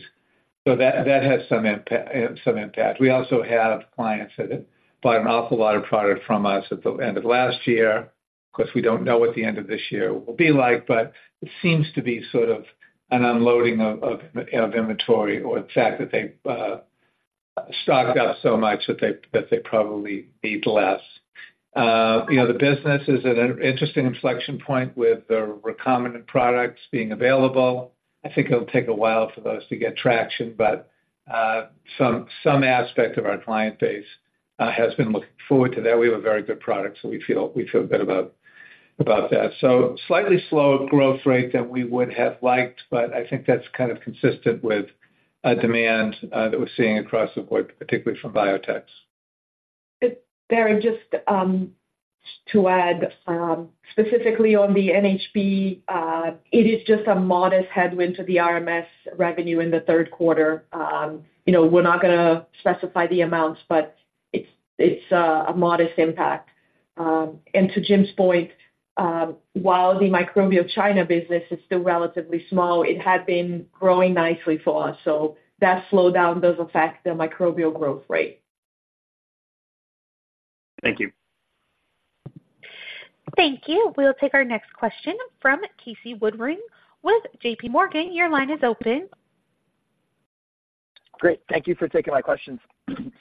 C: So that has some impact. We also have clients that have bought an awful lot of product from us at the end of last year. Of course, we don't know what the end of this year will be like, but it seems to be sort of an unloading of inventory or the fact that they stocked up so much that they probably need less. You know, the business is at an interesting inflection point with the recombinant products being available. I think it'll take a while for those to get traction, but some aspect of our client base has been looking forward to that. We have a very good product, so we feel good about that. So slightly slower growth rate than we would have liked, but I think that's kind of consistent with a demand that we're seeing across the board, particularly from biotechs.
D: Derik, just to add, specifically on the NHP, it is just a modest headwind to the RMS revenue in the third quarter. You know, we're not going to specify the amounts, but it's a modest impact. And to Jim's point, while the microbial China business is still relatively small, it had been growing nicely for us. So that slowdown does affect the microbial growth rate.
H: Thank you.
A: Thank you. We'll take our next question from Casey Woodring with JPMorgan. Your line is open.
I: Great. Thank you for taking my questions.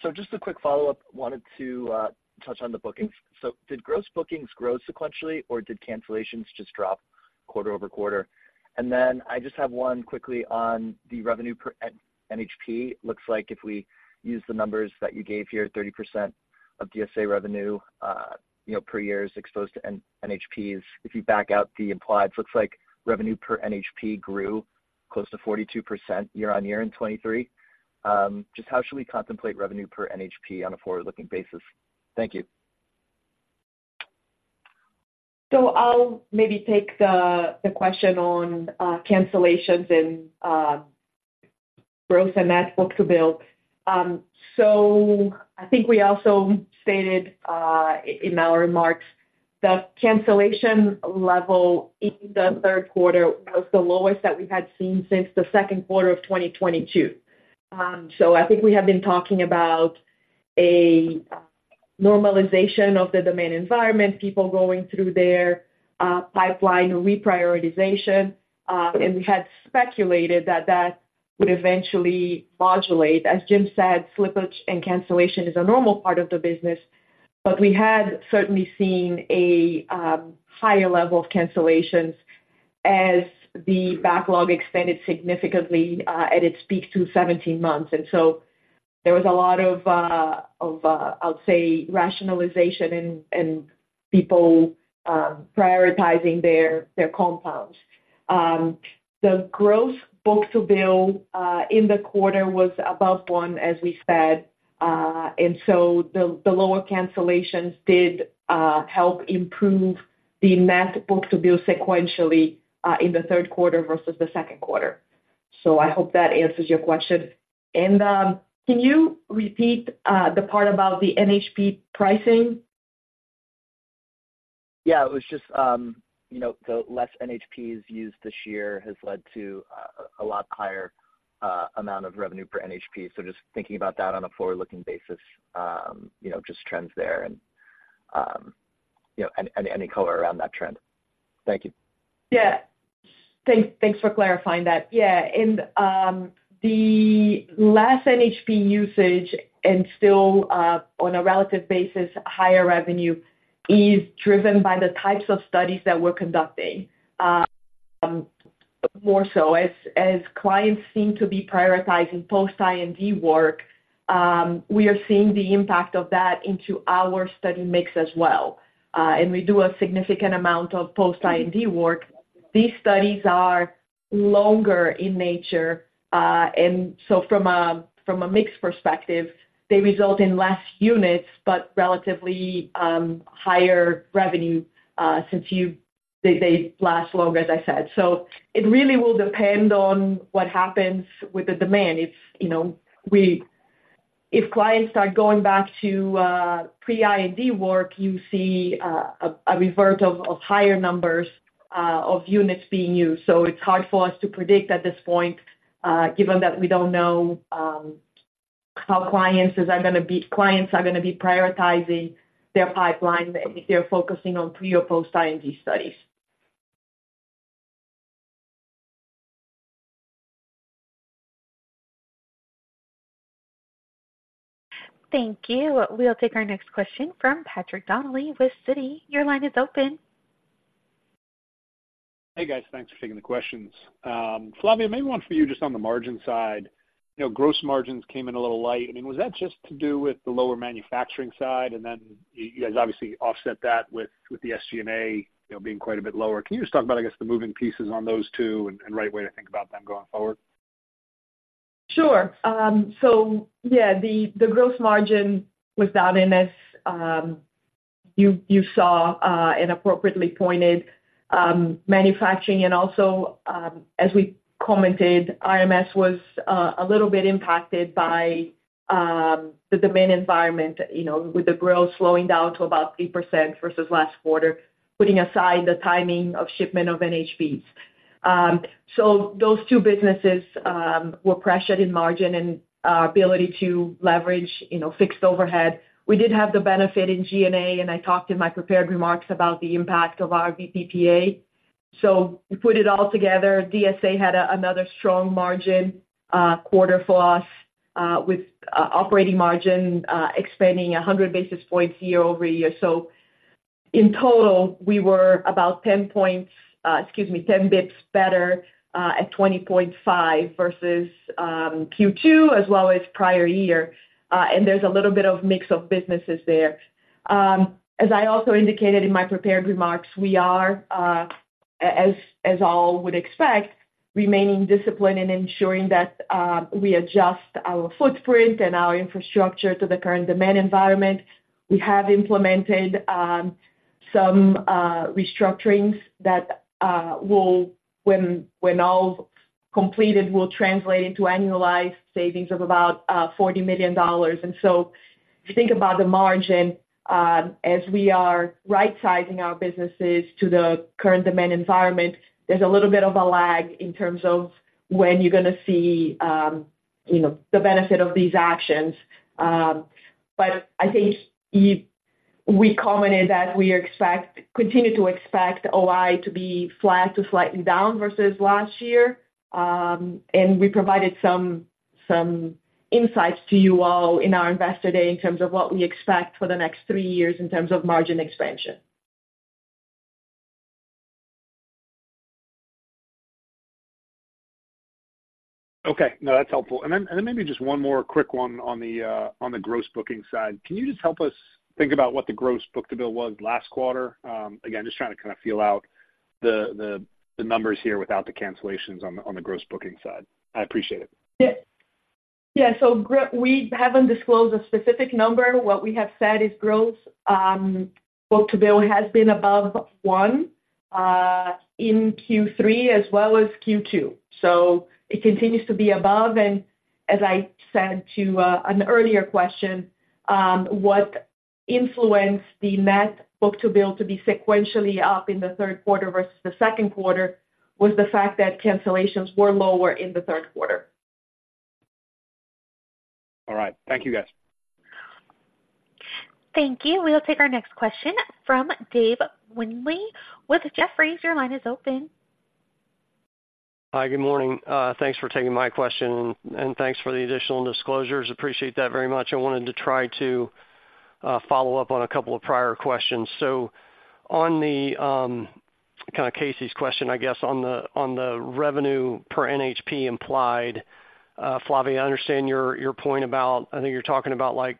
I: So just a quick follow-up. Wanted to touch on the bookings. So did gross bookings grow sequentially, or did cancellations just drop quarter-over-quarter? And then I just have one quickly on the revenue per NHP. Looks like if we use the numbers that you gave here, 30% of DSA revenue, you know, per year is exposed to NHPs. If you back out the implied, looks like revenue per NHP grew close to 42% year-on-year in 2023. Just how should we contemplate revenue per NHP on a forward-looking basis? Thank you.
D: So I'll maybe take the question on cancellations and growth and net book-to-bill. So I think we also stated in our remarks, the cancellation level in the third quarter was the lowest that we had seen since the second quarter of 2022. So I think we have been talking about a normalization of the demand environment, people going through their pipeline reprioritization, and we had speculated that that would eventually modulate. As Jim said, slippage and cancellation is a normal part of the business, but we had certainly seen a higher level of cancellations as the backlog extended significantly at its peak to 17 months. And so there was a lot of, I'll say, rationalization and people prioritizing their compounds. The growth book-to-bill in the quarter was above one, as we said, and so the lower cancellations did help improve the net book-to-bill sequentially in the third quarter versus the second quarter. So I hope that answers your question. And can you repeat the part about the NHP pricing?
I: Yeah, it was just, you know, the less NHPs used this year has led to a lot higher amount of revenue per NHP. So just thinking about that on a forward-looking basis, you know, just trends there and, you know, any color around that trend. Thank you.
D: Yeah. Thanks for clarifying that. Yeah, and the less NHP usage and still, on a relative basis, higher revenue is driven by the types of studies that we're conducting. More so, as clients seem to be prioritizing post-IND work, we are seeing the impact of that into our study mix as well. And we do a significant amount of post-IND work. These studies are longer in nature, and so from a mix perspective, they result in less units, but relatively, higher revenue, since they last longer, as I said. So it really will depend on what happens with the demand. If you know, if clients start going back to pre-IND work, you see a revert of higher numbers of units being used. It's hard for us to predict at this point, given that we don't know how clients are going to be prioritizing their pipeline, if they're focusing on pre or post-IND studies.
A: Thank you. We'll take our next question from Patrick Donnelly with Citi. Your line is open.
J: Hey, guys. Thanks for taking the questions. Flavia, maybe one for you just on the margin side. You know, gross margins came in a little light. I mean, was that just to do with the lower manufacturing side? And then you guys obviously offset that with the SGNA, you know, being quite a bit lower. Can you just talk about, I guess, the moving pieces on those two and right way to think about them going forward?...
D: Sure. So yeah, the gross margin was down in this, you saw and appropriately pointed manufacturing and also, as we commented, RMS was a little bit impacted by the demand environment, you know, with the growth slowing down to about 3% versus last quarter, putting aside the timing of shipment of NHPs. So those two businesses were pressured in margin and our ability to leverage, you know, fixed overhead. We did have the benefit in G&A, and I talked in my prepared remarks about the impact of our VPPA. So you put it all together, DSA had another strong margin quarter for us with operating margin expanding 100 basis points year-over-year. So in total, we were about 10 points, excuse me, 10 bits better at 20.5 versus Q2 as well as prior year. And there's a little bit of mix of businesses there. As I also indicated in my prepared remarks, we are as all would expect, remaining disciplined and ensuring that we adjust our footprint and our infrastructure to the current demand environment. We have implemented some restructurings that will, when all completed, will translate into annualized savings of about $40 million. And so if you think about the margin, as we are right-sizing our businesses to the current demand environment, there's a little bit of a lag in terms of when you're gonna see you know, the benefit of these actions. But I think we commented that we expect, continue to expect OI to be flat to slightly down versus last year. And we provided some insights to you all in our Investor Day in terms of what we expect for the next three years in terms of margin expansion.
J: Okay. No, that's helpful. And then, maybe just one more quick one on the gross booking side. Can you just help us think about what the gross book-to-bill was last quarter? Again, just trying to kind of feel out the numbers here without the cancellations on the gross booking side. I appreciate it.
D: Yeah. Yeah, so we haven't disclosed a specific number. What we have said is gross book-to-bill has been above one in Q3 as well as Q2, so it continues to be above. And as I said to an earlier question, what influenced the net book-to-bill to be sequentially up in the third quarter versus the second quarter was the fact that cancellations were lower in the third quarter.
J: All right. Thank you, guys.
A: Thank you. We'll take our next question from Dave Windley with Jefferies. Your line is open.
K: Hi, good morning. Thanks for taking my question, and thanks for the additional disclosures. Appreciate that very much. I wanted to try to follow up on a couple of prior questions. So on the kind of Casey's question, I guess, on the revenue per NHP implied, Flavia, I understand your point about, I think you're talking about, like,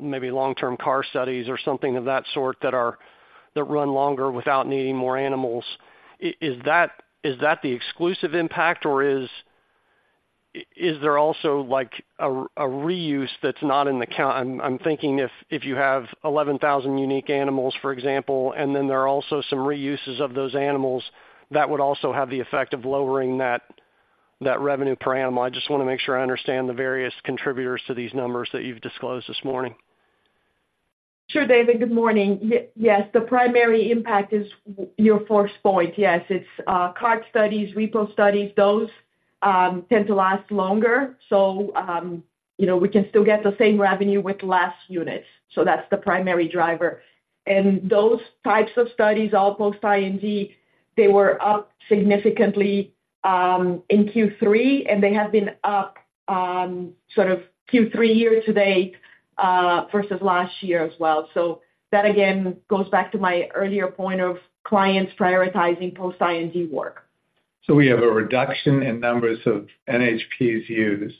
K: maybe long-term carc studies or something of that sort, that run longer without needing more animals. Is that the exclusive impact, or is there also, like, a reuse that's not in the count? I'm thinking if you have 11,000 unique animals, for example, and then there are also some reuses of those animals, that would also have the effect of lowering that revenue per animal. I just wanna make sure I understand the various contributors to these numbers that you've disclosed this morning.
D: Sure, David. Good morning. Yes, the primary impact is your first point. Yes, it's carc studies, repro studies. Those tend to last longer, so you know, we can still get the same revenue with less units. So that's the primary driver. And those types of studies, all post-IND, they were up significantly in Q3, and they have been up sort of Q3 year to date versus last year as well. So that, again, goes back to my earlier point of clients prioritizing post-IND work.
C: So we have a reduction in numbers of NHPs used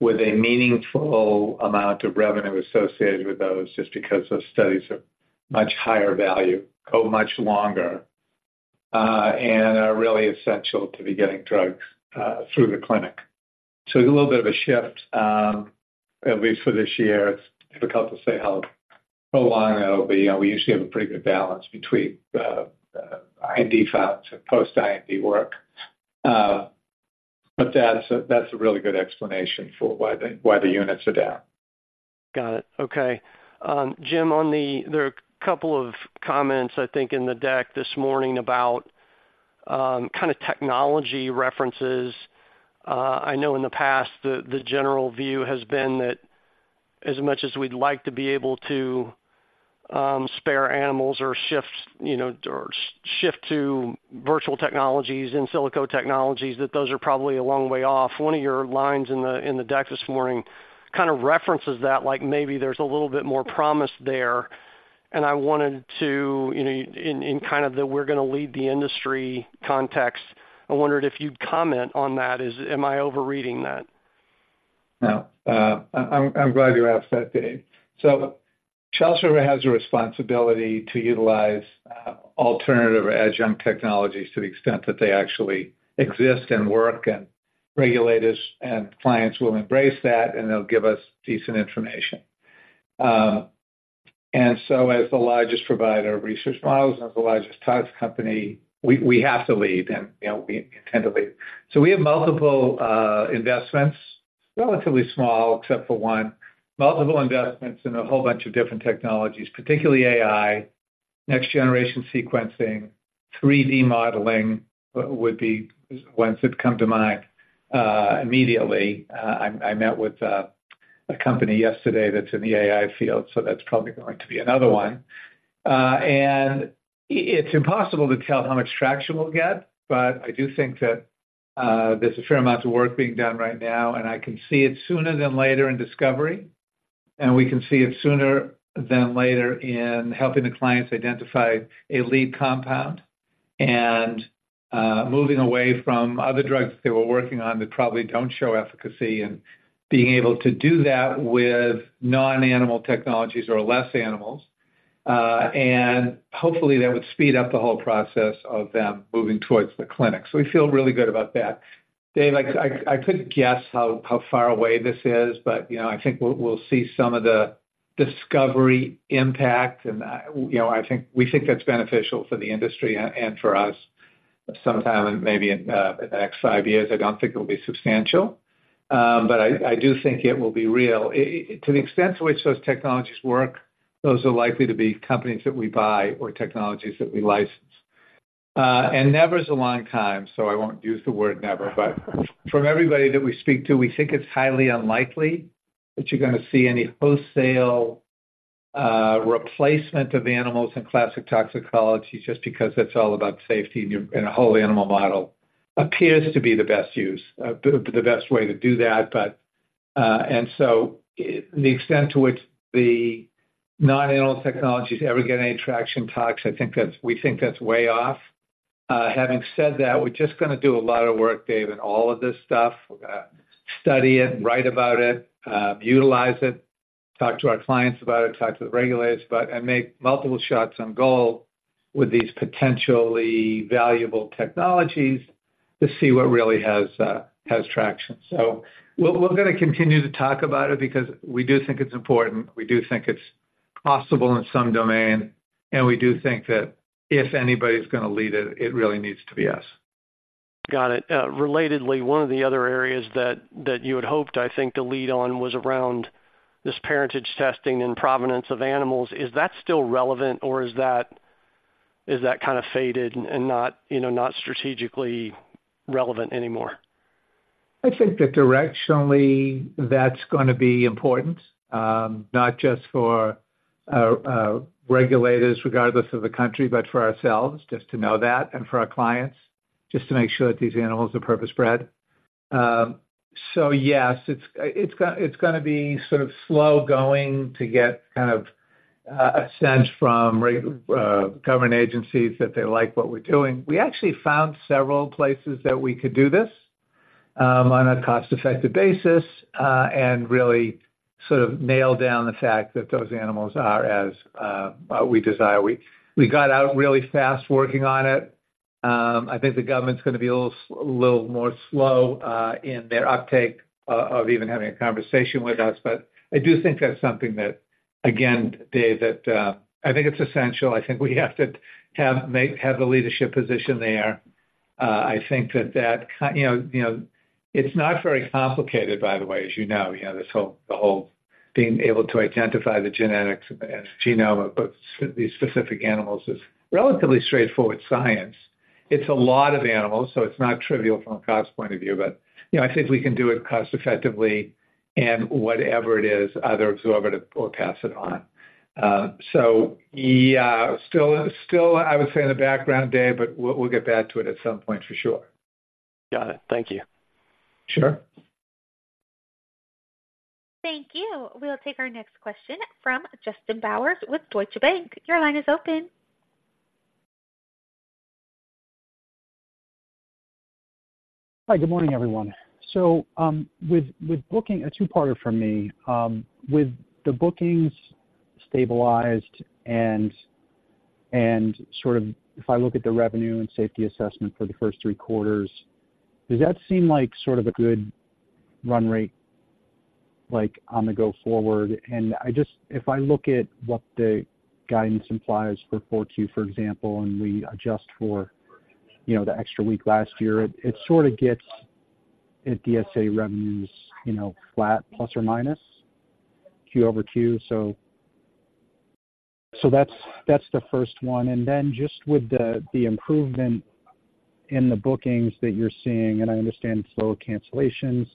C: with a meaningful amount of revenue associated with those, just because those studies are much higher value, go much longer, and are really essential to be getting drugs through the clinic. So a little bit of a shift, at least for this year. It's difficult to say how long that'll be. You know, we usually have a pretty good balance between IND files and post-IND work. But that's a really good explanation for why the units are down.
K: Got it. Okay. Jim, on the... There are a couple of comments, I think, in the deck this morning about kind of technology references. I know in the past, the general view has been that as much as we'd like to be able to spare animals or shift, you know, or shift to virtual technologies, in silico technologies, that those are probably a long way off. One of your lines in the deck this morning kind of references that, like, maybe there's a little bit more promise there. And I wanted to, you know, in kind of the we're-gonna-lead-the-industry context, I wondered if you'd comment on that. Is, am I overreading that?...
C: Now, I'm glad you asked that, Dave. So Charles River has a responsibility to utilize alternative or adjunct technologies to the extent that they actually exist and work, and regulators and clients will embrace that, and they'll give us decent information. And so as the largest provider of research models and as the largest tox company, we have to lead, and, you know, we intend to lead. So we have multiple investments, relatively small, except for one, multiple investments in a whole bunch of different technologies, particularly AI, next generation sequencing, 3D modeling, would be ones that come to mind immediately. I met with a company yesterday that's in the AI field, so that's probably going to be another one. It's impossible to tell how much traction we'll get, but I do think that there's a fair amount of work being done right now, and I can see it sooner than later in discovery, and we can see it sooner than later in helping the clients identify a lead compound and moving away from other drugs they were working on that probably don't show efficacy, and being able to do that with non-animal technologies or less animals. And hopefully that would speed up the whole process of them moving towards the clinic. So we feel really good about that. Dave, I couldn't guess how far away this is, but, you know, I think we'll see some of the discovery impact, and, you know, I think we think that's beneficial for the industry and for us, sometime, maybe in the next five years. I don't think it'll be substantial, but I do think it will be real. To the extent to which those technologies work, those are likely to be companies that we buy or technologies that we license. Never's a long time, so I won't use the word never, but from everybody that we speak to, we think it's highly unlikely that you're gonna see any wholesale replacement of animals in classic toxicology, just because that's all about safety, and you and a whole animal model appears to be the best use, the best way to do that. But the extent to which the non-animal technologies ever get any traction in tox, we think that's way off. Having said that, we're just gonna do a lot of work, Dave, in all of this stuff. We're gonna study it, write about it, utilize it, talk to our clients about it, talk to the regulators, but and make multiple shots on goal with these potentially valuable technologies to see what really has traction. So we're gonna continue to talk about it because we do think it's important, we do think it's possible in some domain, and we do think that if anybody's gonna lead it, it really needs to be us.
K: Got it. Relatedly, one of the other areas that you had hoped, I think, to lead on was around this parentage testing and provenance of animals. Is that still relevant, or is that kind of faded and not, you know, not strategically relevant anymore?
C: I think that directionally, that's gonna be important, not just for regulators, regardless of the country, but for ourselves, just to know that, and for our clients, just to make sure that these animals are purpose-bred. So yes, it's gonna be sort of slow-going to get kind of a sense from government agencies that they like what we're doing. We actually found several places that we could do this, on a cost-effective basis, and really sort of nail down the fact that those animals are as we desire. We got out really fast working on it. I think the government's gonna be a little more slow in their uptake of even having a conversation with us. But I do think that's something that, again, Dave, that I think it's essential. I think we have to have a leadership position there. I think that you know, you know, it's not very complicated, by the way, as you know. You know, the whole being able to identify the genetics and genome of both these specific animals is relatively straightforward science. It's a lot of animals, so it's not trivial from a cost point of view, but, you know, I think we can do it cost effectively and whatever it is, either absorb it or pass it on. So yeah, still, I would say, in the background, Dave, but we'll get back to it at some point for sure.
K: Got it. Thank you.
C: Sure.
A: Thank you. We'll take our next question from Justin Bowers with Deutsche Bank. Your line is open.
L: Hi, good morning, everyone. So, with booking, a two-parter from me, with the bookings stabilized and sort of if I look at the revenue and safety assessment for the first three quarters, does that seem like sort of a good run rate, like, on the go forward? And if I look at what the guidance implies for 4Q, for example, and we adjust for, you know, the extra week last year, it sort of gets at DSA revenues, you know, flat, plus or minus, Q over Q. So that's the first one. And then just with the improvement in the bookings that you're seeing, and I understand slow cancellations,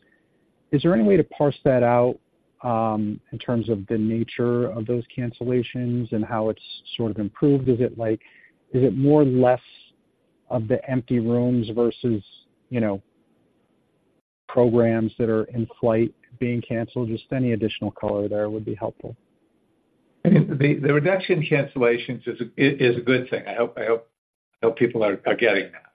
L: is there any way to parse that out, in terms of the nature of those cancellations and how it's sort of improved? Is it like, is it more or less of the empty rooms versus, you know, programs that are in flight being canceled? Just any additional color there would be helpful....
C: The reduction in cancellations is a good thing. I hope people are getting that.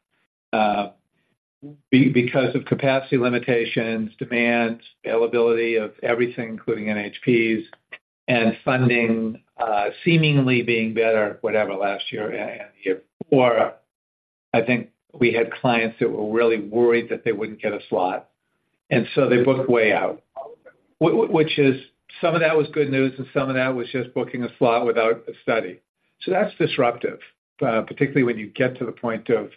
C: Because of capacity limitations, demand, availability of everything, including NHPs, and funding, seemingly being better, whatever, last year and the year before, I think we had clients that were really worried that they wouldn't get a slot, and so they booked way out. Which is some of that was good news, and some of that was just booking a slot without a study. So that's disruptive, particularly when you get to the point of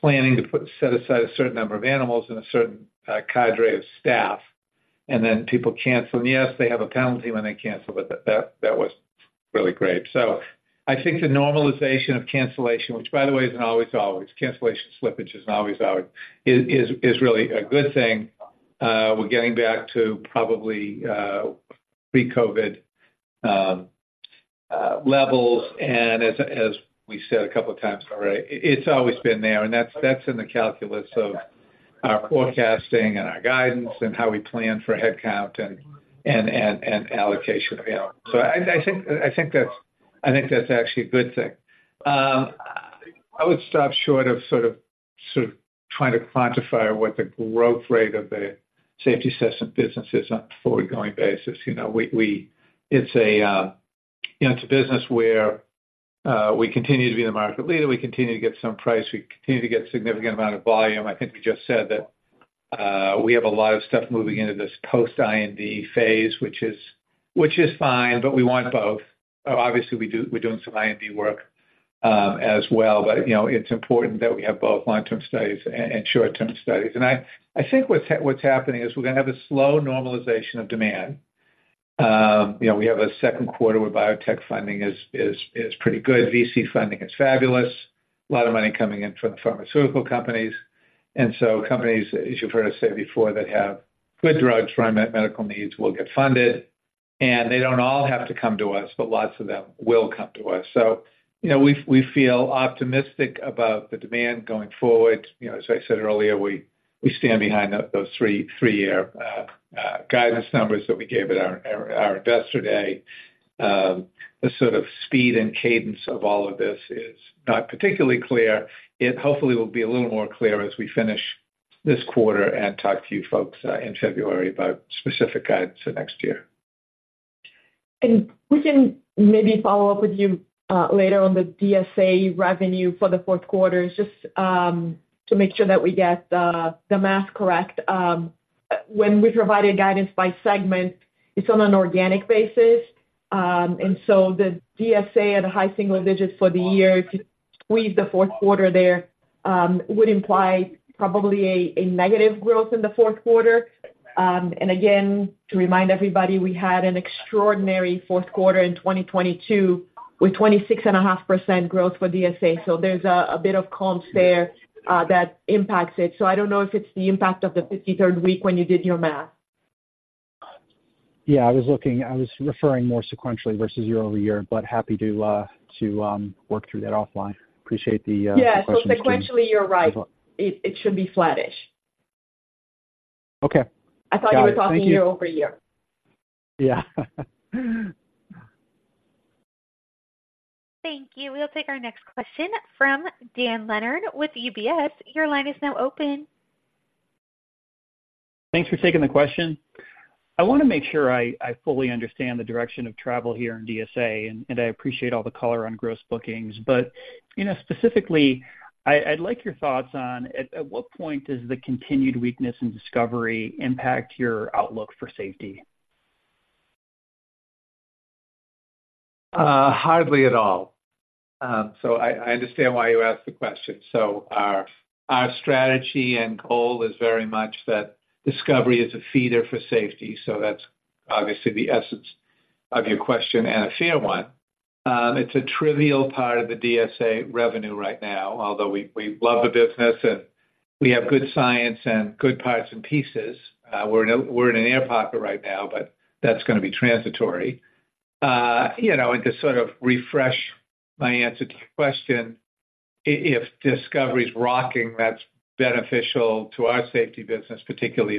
C: planning to set aside a certain number of animals and a certain, cadre of staff, and then people cancel. And yes, they have a penalty when they cancel, but that, that was really great. So I think the normalization of cancellation, which by the way, isn't always. Cancellation slippage isn't always is really a good thing. We're getting back to probably pre-COVID levels, and as we said a couple of times already, it's always been there, and that's in the calculus of our forecasting and our guidance and how we plan for headcount and allocation of animal. So I think that's actually a good thing. I would stop short of trying to quantify what the growth rate of the safety assessment business is on a forward-going basis. You know, we – it's a, you know, it's a business where we continue to be the market leader, we continue to get some price, we continue to get significant amount of volume. I think we just said that, we have a lot of stuff moving into this post-IND phase, which is fine, but we want both. So obviously, we're doing some IND work, as well. But, you know, it's important that we have both long-term studies and short-term studies. And I think what's happening is we're gonna have a slow normalization of demand. You know, we have a second quarter where biotech funding is pretty good. VC funding is fabulous. A lot of money coming in from the pharmaceutical companies. Companies, as you've heard us say before, that have good drugs for unmet medical needs will get funded, and they don't all have to come to us, but lots of them will come to us. So, you know, we feel optimistic about the demand going forward. You know, as I said earlier, we stand behind those three-year guidance numbers that we gave at our Investor Day. The sort of speed and cadence of all of this is not particularly clear. It hopefully will be a little more clear as we finish this quarter and talk to you folks in February about specific guidance for next year.
D: We can maybe follow up with you later on the DSA revenue for the fourth quarter, just to make sure that we get the math correct. When we provided guidance by segment, it's on an organic basis. And so the DSA at high single digits for the year, if you squeeze the fourth quarter there, would imply probably a negative growth in the fourth quarter. And again, to remind everybody, we had an extraordinary fourth quarter in 2022, with 26.5% growth for DSA. So there's a bit of comps there that impacts it. So I don't know if it's the impact of the 53rd week when you did your math.
L: Yeah, I was looking—I was referring more sequentially versus year-over-year, but happy to work through that offline. Appreciate the question.
D: Yeah, so sequentially, you're right.
L: Mm-hmm.
D: It should be flattish.
L: Okay.
D: I thought you were-
L: Got it. Thank you.
D: talking year-over-year.
L: Yeah.
A: Thank you. We'll take our next question from Dan Leonard with UBS. Your line is now open.
M: Thanks for taking the question. I wanna make sure I fully understand the direction of travel here in DSA, and I appreciate all the color on gross bookings. But, you know, specifically, I'd like your thoughts on at what point does the continued weakness in discovery impact your outlook for safety? Hardly at all. So I understand why you asked the question. So our strategy and goal is very much that discovery is a feeder for safety, so that's obviously the essence of your question and a fair one. It's a trivial part of the DSA revenue right now, although we love the business, and we have good science and good parts and pieces. We're in an air pocket right now, but that's gonna be transitory.
C: You know, and to sort of refresh my answer to your question, if discovery's rocking, that's beneficial to our safety business, particularly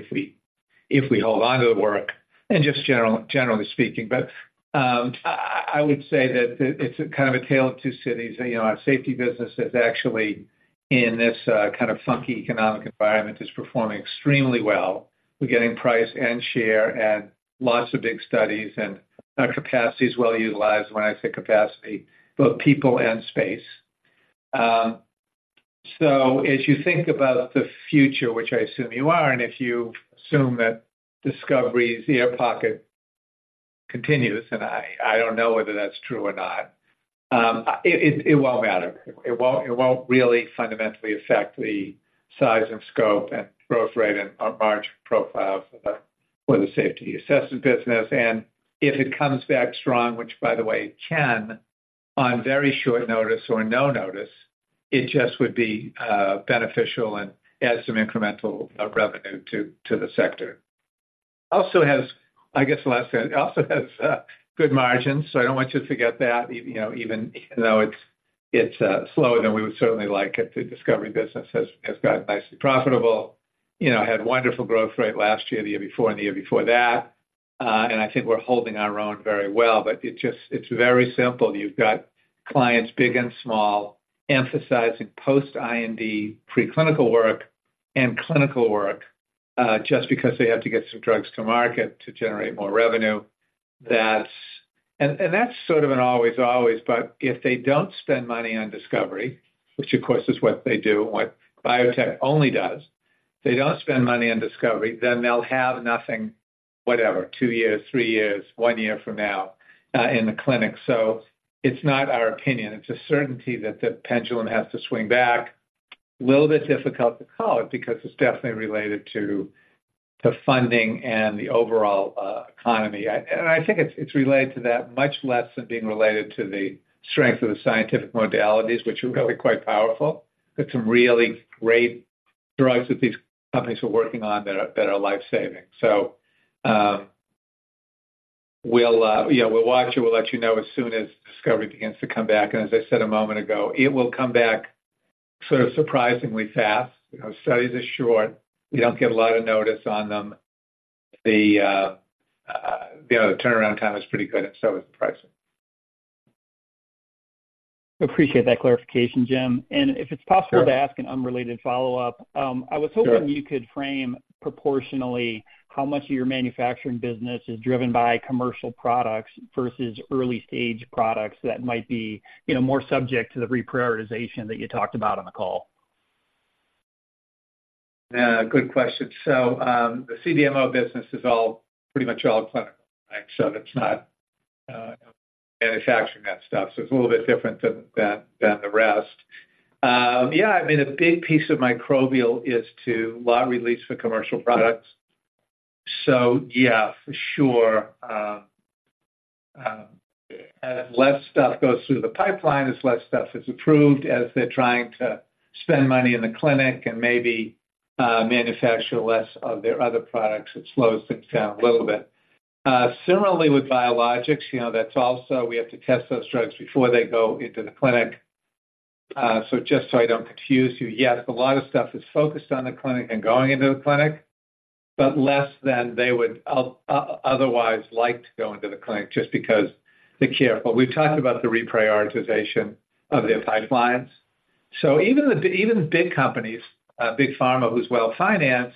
C: if we hold on to the work, and just generally speaking. But I would say that it's kind of a tale of two cities. You know, our safety business is actually in this kind of funky economic environment, is performing extremely well. We're getting price and share and lots of big studies, and our capacity is well utilized. When I say capacity, both people and space. So as you think about the future, which I assume you are, and if you assume that discovery's air pocket continues, and I don't know whether that's true or not, it won't matter. It won't, it won't really fundamentally affect the size and scope and growth rate and our margin profile for the safety assessment business. And if it comes back strong, which by the way, it can, on very short notice or no notice, it just would be beneficial and add some incremental revenue to the sector. Also has, I guess the last thing, also has good margins, so I don't want you to forget that. You know, even though it's slower than we would certainly like it, the discovery business has gotten nicely profitable. You know, had wonderful growth rate last year, the year before, and the year before that. And I think we're holding our own very well, but it just, it's very simple. You've got clients, big and small, emphasizing post-IND preclinical work and clinical work, just because they have to get some drugs to market to generate more revenue. That's, and that's sort of an always, always, but if they don't spend money on discovery, which, of course, is what they do, and what biotech only does, if they don't spend money on discovery, then they'll have nothing, whatever, two years, three years, one year from now, in the clinic. So it's not our opinion, it's a certainty that the pendulum has to swing back. A little bit difficult to call it, because it's definitely related to the funding and the overall economy. And I think it's related to that much less than being related to the strength of the scientific modalities, which are really quite powerful. There are some really great drugs that these companies are working on that are life-saving. So, we'll, you know, we'll let you know as soon as discovery begins to come back, and as I said a moment ago, it will come back sort of surprisingly fast. You know, studies are short. We don't get a lot of notice on them. You know, the turnaround time is pretty good, and so is the pricing.
M: Appreciate that clarification, Jim. If it's possible to ask an unrelated follow-up,
C: Sure.
M: I was hoping you could frame proportionally how much of your manufacturing business is driven by commercial products versus early-stage products that might be, you know, more subject to the reprioritization that you talked about on the call?
C: Good question. So, the CDMO business is all, pretty much all clinical, right? So it's not manufacturing that stuff, so it's a little bit different than the rest. Yeah, I mean, a big piece of microbial is to lot release for commercial products. So yeah, for sure, as less stuff goes through the pipeline, as less stuff is approved, as they're trying to spend money in the clinic and maybe manufacture less of their other products, it slows things down a little bit. Similarly with biologics, you know, that's also, we have to test those drugs before they go into the clinic. So just so I don't confuse you, yes, a lot of stuff is focused on the clinic and going into the clinic, but less than they would otherwise like to go into the clinic just because, be careful. We've talked about the reprioritization of their pipelines. So even big companies, big pharma, who's well-financed,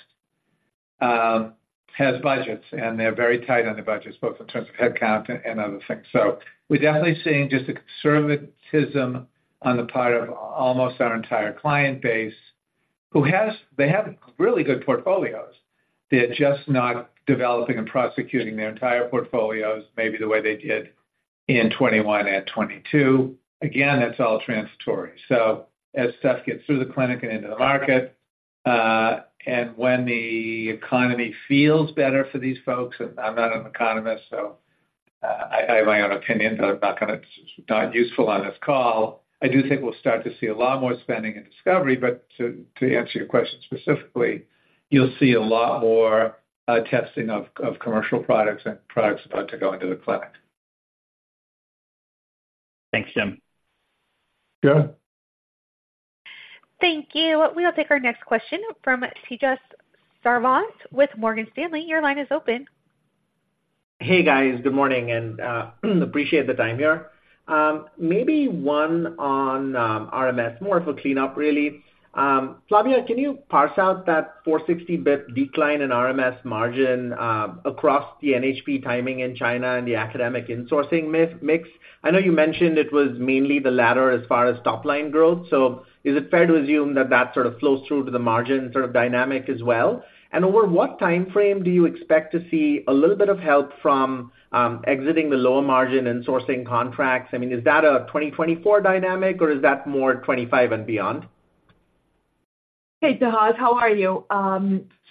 C: has budgets, and they're very tight on their budgets, both in terms of headcount and other things. So we're definitely seeing just a conservatism on the part of almost our entire client base, who has—they have really good portfolios. They're just not developing and prosecuting their entire portfolios maybe the way they did in 2021 and 2022. Again, that's all transitory. So as stuff gets through the clinic and into the market, and when the economy feels better for these folks, and I'm not an economist, so, I have my own opinions, but I'm not gonna... It's not useful on this call. I do think we'll start to see a lot more spending and discovery, but to answer your question specifically, you'll see a lot more testing of commercial products and products about to go into the clinic.
M: Thanks, Jim.
C: Sure.
A: Thank you. We'll take our next question from Tejas Savant with Morgan Stanley. Your line is open.
N: Hey, guys. Good morning, and appreciate the time here. Maybe one on RMS, more of a cleanup, really. Flavia, can you parse out that 460 basis points decline in RMS margin across the NHP timing in China and the academic insourcing mix? I know you mentioned it was mainly the latter as far as top-line growth, so is it fair to assume that that sort of flows through to the margin sort of dynamic as well? And over what timeframe do you expect to see a little bit of help from exiting the lower margin and sourcing contracts? I mean, is that a 2024 dynamic, or is that more 2025 and beyond?
D: Hey, Tejas, how are you?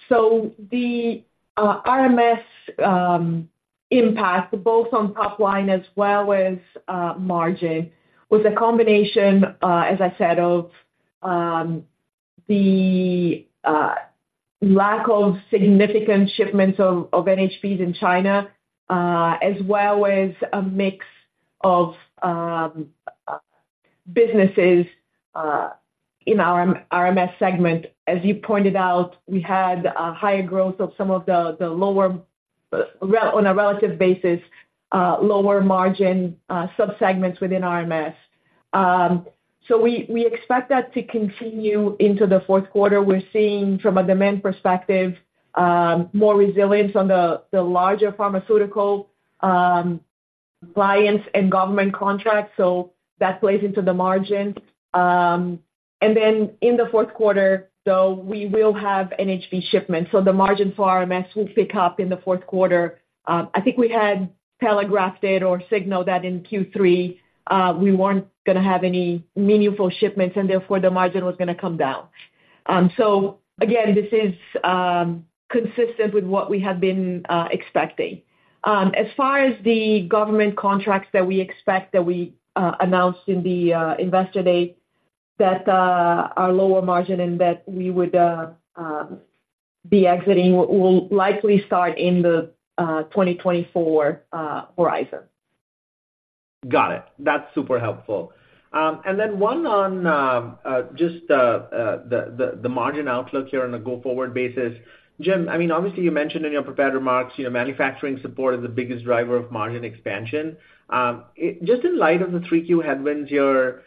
D: So the RMS impact, both on top line as well as margin, was a combination, as I said, of the lack of significant shipments of NHPs in China, as well as a mix of businesses in our RMS segment. As you pointed out, we had a higher growth of some of the lower, on a relative basis, lower margin subsegments within RMS. So we expect that to continue into the fourth quarter. We're seeing, from a demand perspective, more resilience on the larger pharmaceutical clients and government contracts, so that plays into the margin. And then in the fourth quarter, so we will have NHP shipments, so the margin for RMS will pick up in the fourth quarter. I think we had telegraphed it or signaled that in Q3, we weren't gonna have any meaningful shipments, and therefore, the margin was gonna come down. So again, this is consistent with what we have been expecting. As far as the government contracts that we expect, that we announced in the Investor Day, that are lower margin and that we would be exiting, will likely start in the 2024 horizon....
N: Got it. That's super helpful. And then one on just the margin outlook here on a go-forward basis. Jim, I mean, obviously, you mentioned in your prepared remarks, you know, manufacturing support is the biggest driver of margin expansion. Just in light of the 3Q headwinds here,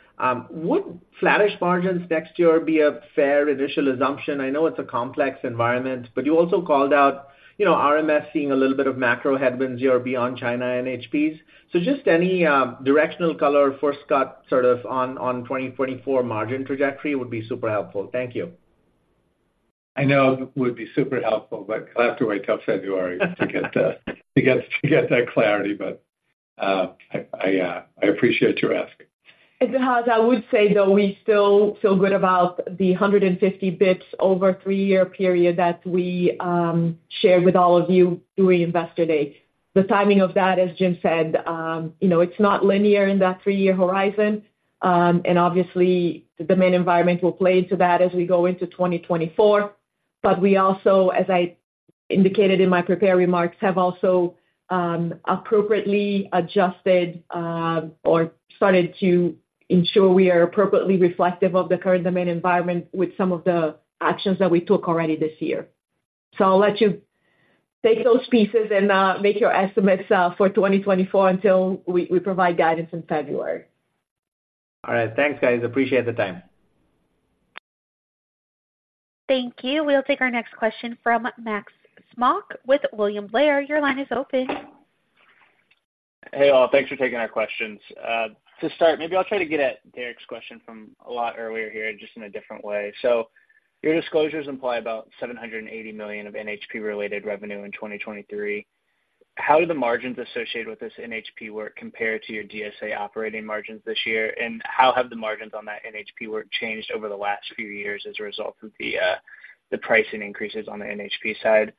N: would flattish margins next year be a fair initial assumption? I know it's a complex environment, but you also called out, you know, RMS seeing a little bit of macro headwinds here beyond China and NHPs. So just any directional color for us, sort of, on 2024 margin trajectory would be super helpful. Thank you.
C: I know it would be super helpful, but you'll have to wait till February to get that clarity. But, I appreciate you asking.
D: And [Tejas], I would say, though, we still feel good about the 150 basis points over a three-year period that we shared with all of you during Investor Day. The timing of that, as Jim said, you know, it's not linear in that three-year horizon. And obviously, the macro environment will play into that as we go into 2024. But we also, as I indicated in my prepared remarks, have also appropriately adjusted or started to ensure we are appropriately reflective of the current demand environment with some of the actions that we took already this year. So I'll let you take those pieces and make your estimates for 2024 until we provide guidance in February.
N: All right. Thanks, guys. Appreciate the time.
A: Thank you. We'll take our next question from Max Smock with William Blair. Your line is open.
O: Hey, all. Thanks for taking our questions. To start, maybe I'll try to get at Derik's question from a lot earlier here, just in a different way. So your disclosures imply about $780 million of NHP-related revenue in 2023. How do the margins associated with this NHP work compare to your DSA operating margins this year? And how have the margins on that NHP work changed over the last few years as a result of the pricing increases on the NHP side?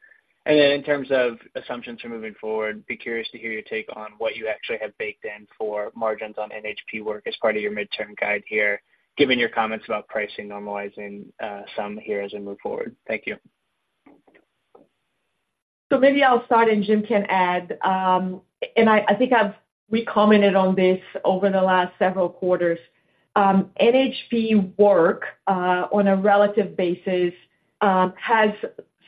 O: And then in terms of assumptions for moving forward, be curious to hear your take on what you actually have baked in for margins on NHP work as part of your midterm guide here, given your comments about pricing normalizing some here as we move forward. Thank you.
D: So maybe I'll start, and Jim can add. I think I've commented on this over the last several quarters. NHP work, on a relative basis, has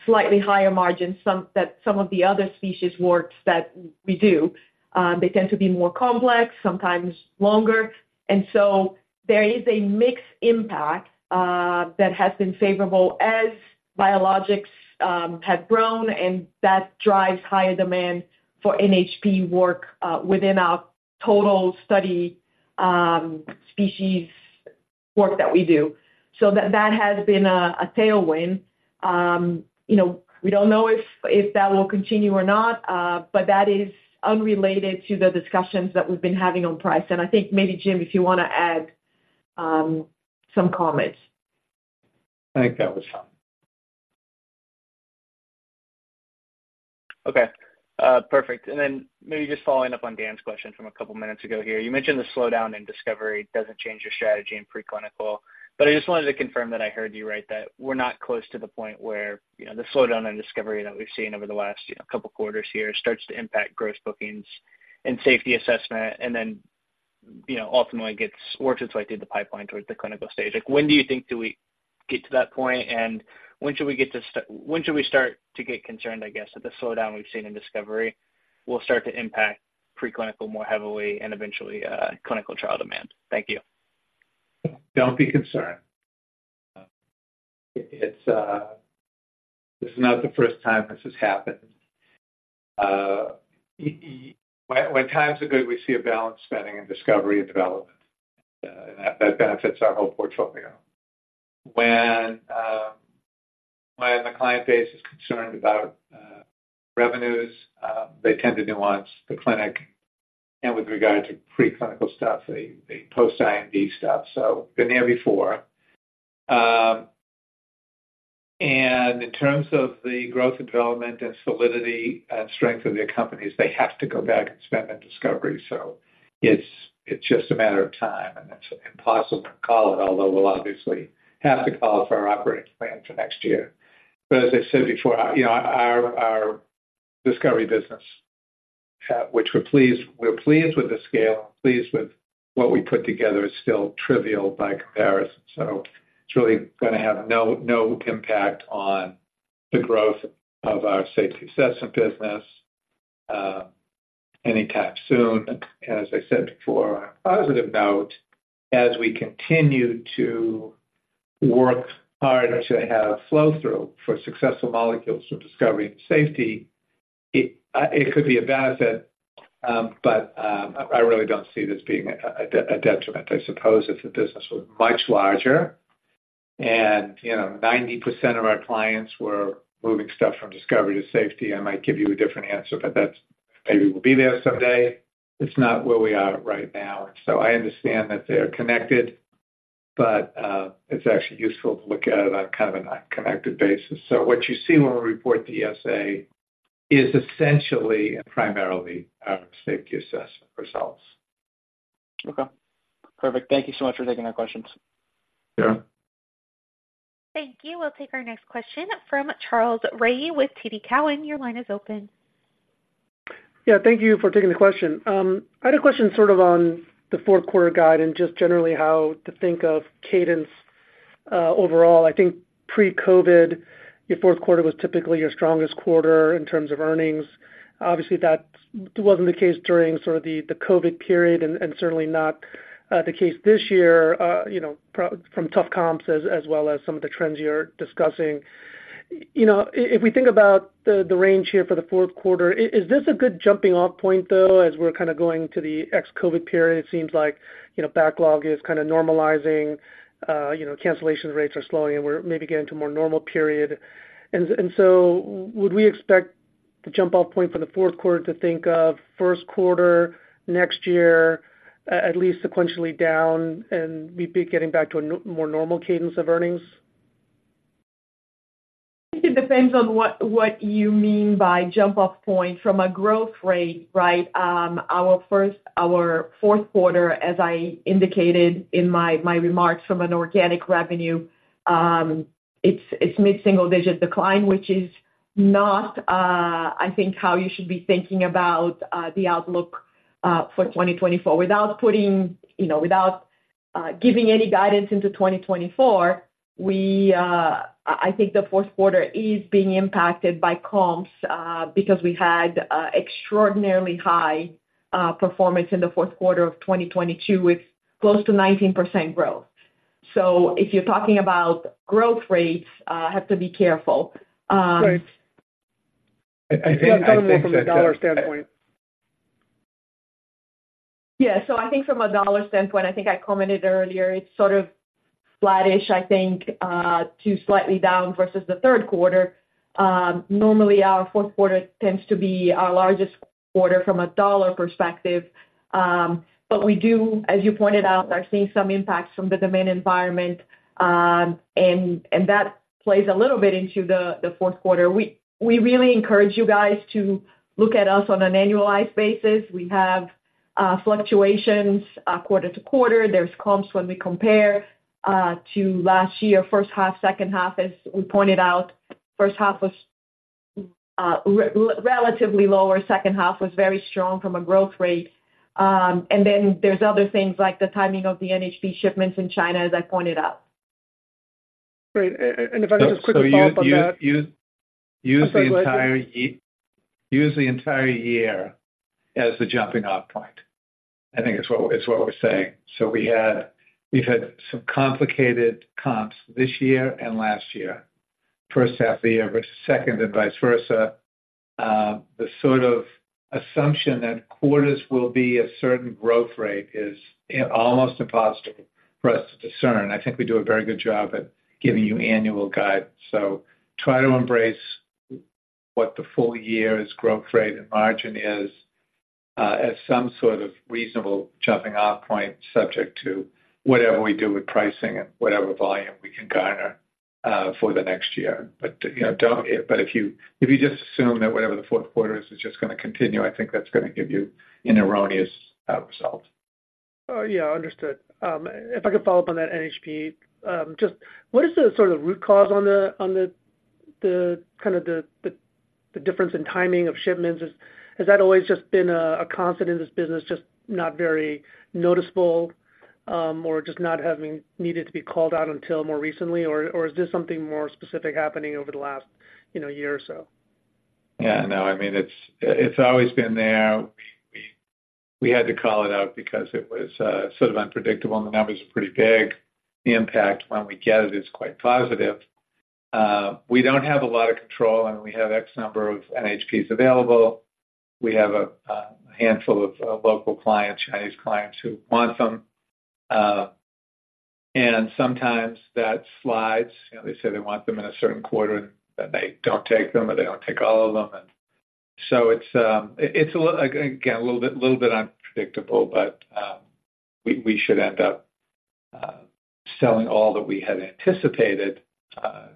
D: slightly higher margins than some of the other species work that we do. They tend to be more complex, sometimes longer, and so there is a mixed impact that has been favorable as biologics have grown, and that drives higher demand for NHP work within our total study species work that we do. So that has been a tailwind. You know, we don't know if that will continue or not, but that is unrelated to the discussions that we've been having on price. And I think maybe, Jim, if you wanna add some comments.
C: I think that was fine.
O: Okay, perfect. And then maybe just following up on Dan's question from a couple of minutes ago here, you mentioned the slowdown in discovery doesn't change your strategy in preclinical, but I just wanted to confirm that I heard you right, that we're not close to the point where, you know, the slowdown in discovery that we've seen over the last, you know, couple quarters here starts to impact gross bookings and safety assessment, and then, you know, ultimately gets worked its way through the pipeline towards the clinical stage. Like, when do you think do we get to that point, and when should we start to get concerned, I guess, that the slowdown we've seen in discovery will start to impact preclinical more heavily and eventually, clinical trial demand? Thank you.
C: Don't be concerned. It's this is not the first time this has happened. When, when times are good, we see a balanced spending in discovery and development, and that, that benefits our whole portfolio. When, when the client base is concerned about revenues, they tend to nuance the clinic and with regard to preclinical stuff, the, the post IND stuff, so been there before. And in terms of the growth and development and solidity and strength of their companies, they have to go back and spend on discovery. So it's, it's just a matter of time, and it's impossible to call it, although we'll obviously have to call it for our operating plan for next year. But as I said before, you know, our discovery business, which we're pleased with the scale, pleased with what we put together, is still trivial by comparison. So it's really gonna have no impact on the growth of our safety assessment business any time soon. As I said before, on a positive note, as we continue to work hard to have flow-through for successful molecules for discovery and safety, it could be a benefit, but I really don't see this being a detriment. I suppose if the business was much larger and, you know, 90% of our clients were moving stuff from discovery to safety, I might give you a different answer, but that's maybe we'll be there someday. It's not where we are right now. So I understand that they are connected, but it's actually useful to look at it on kind of an unconnected basis. So what you see when we report the DSA is essentially primarily our safety assessment results.
O: Okay, perfect. Thank you so much for taking our questions.
C: Sure.
A: Thank you. We'll take our next question from Charles Rhyee with TD Cowen. Your line is open.
P: Yeah, thank you for taking the question. I had a question sort of on the fourth quarter guide and just generally how to think of cadence, overall. I think pre-COVID, your fourth quarter was typically your strongest quarter in terms of earnings. Obviously, that wasn't the case during sort of the COVID period and certainly not the case this year, you know, from tough comps as well as some of the trends you're discussing. You know, if we think about the range here for the fourth quarter, is this a good jumping off point, though, as we're kind of going to the ex-COVID period? It seems like, you know, backlog is kind of normalizing, you know, cancellation rates are slowing, and we're maybe getting into a more normal period. So would we expect the jump-off point for the fourth quarter to think of first quarter next year, at least sequentially down, and we'd be getting back to a more normal cadence of earnings?
D: I think it depends on what you mean by jump-off point. From a growth rate, right, our fourth quarter, as I indicated in my remarks from an organic revenue, it's mid-single digit decline, which is not, I think, how you should be thinking about the outlook for 2024. Without putting, you know, without giving any guidance into 2024, we, I think the fourth quarter is being impacted by comps, because we had extraordinarily high performance in the fourth quarter of 2022, with close to 19% growth. So if you're talking about growth rates, I have to be careful.
P: Right.
C: I think-...
P: From a dollar standpoint.
D: Yeah. So I think from a dollar standpoint, I think I commented earlier, it's sort of flattish, I think, to slightly down versus the third quarter. Normally our fourth quarter tends to be our largest quarter from a dollar perspective. But we do, as you pointed out, are seeing some impacts from the demand environment. And that plays a little bit into the fourth quarter. We really encourage you guys to look at us on an annualized basis. We have fluctuations quarter to quarter. There's comps when we compare to last year, first half, second half. As we pointed out, first half was relatively lower. Second half was very strong from a growth rate. And then there's other things like the timing of the NHP shipments in China, as I pointed out.
P: Great. And if I could just quick follow up on that.
C: Use the entire year as the jumping off point. I think what we're saying. So we've had some complicated comps this year and last year, first half of the year versus second and vice versa. The sort of assumption that quarters will be a certain growth rate is almost impossible for us to discern. I think we do a very good job at giving you annual guidance. So try to embrace what the full year's growth rate and margin is as some sort of reasonable jumping off point, subject to whatever we do with pricing and whatever volume we can garner for the next year. But, you know, don't. But if you just assume that whatever the fourth quarter is is just gonna continue, I think that's gonna give you an erroneous result.
P: Yeah, understood. If I could follow up on that, NHP. Just what is the sort of root cause on the kind of difference in timing of shipments? Has that always just been a constant in this business, just not very noticeable, or just not having needed to be called out until more recently? Or is this something more specific happening over the last, you know, year or so?
C: Yeah, no, I mean, it's always been there. We had to call it out because it was sort of unpredictable, and the numbers are pretty big. The impact when we get it is quite positive. We don't have a lot of control, and we have X number of NHPs available. We have a handful of local clients, Chinese clients, who want them. And sometimes that slides. You know, they say they want them in a certain quarter, but they don't take them or they don't take all of them. And so it's a little, again, a little bit unpredictable, but we should end up selling all that we had anticipated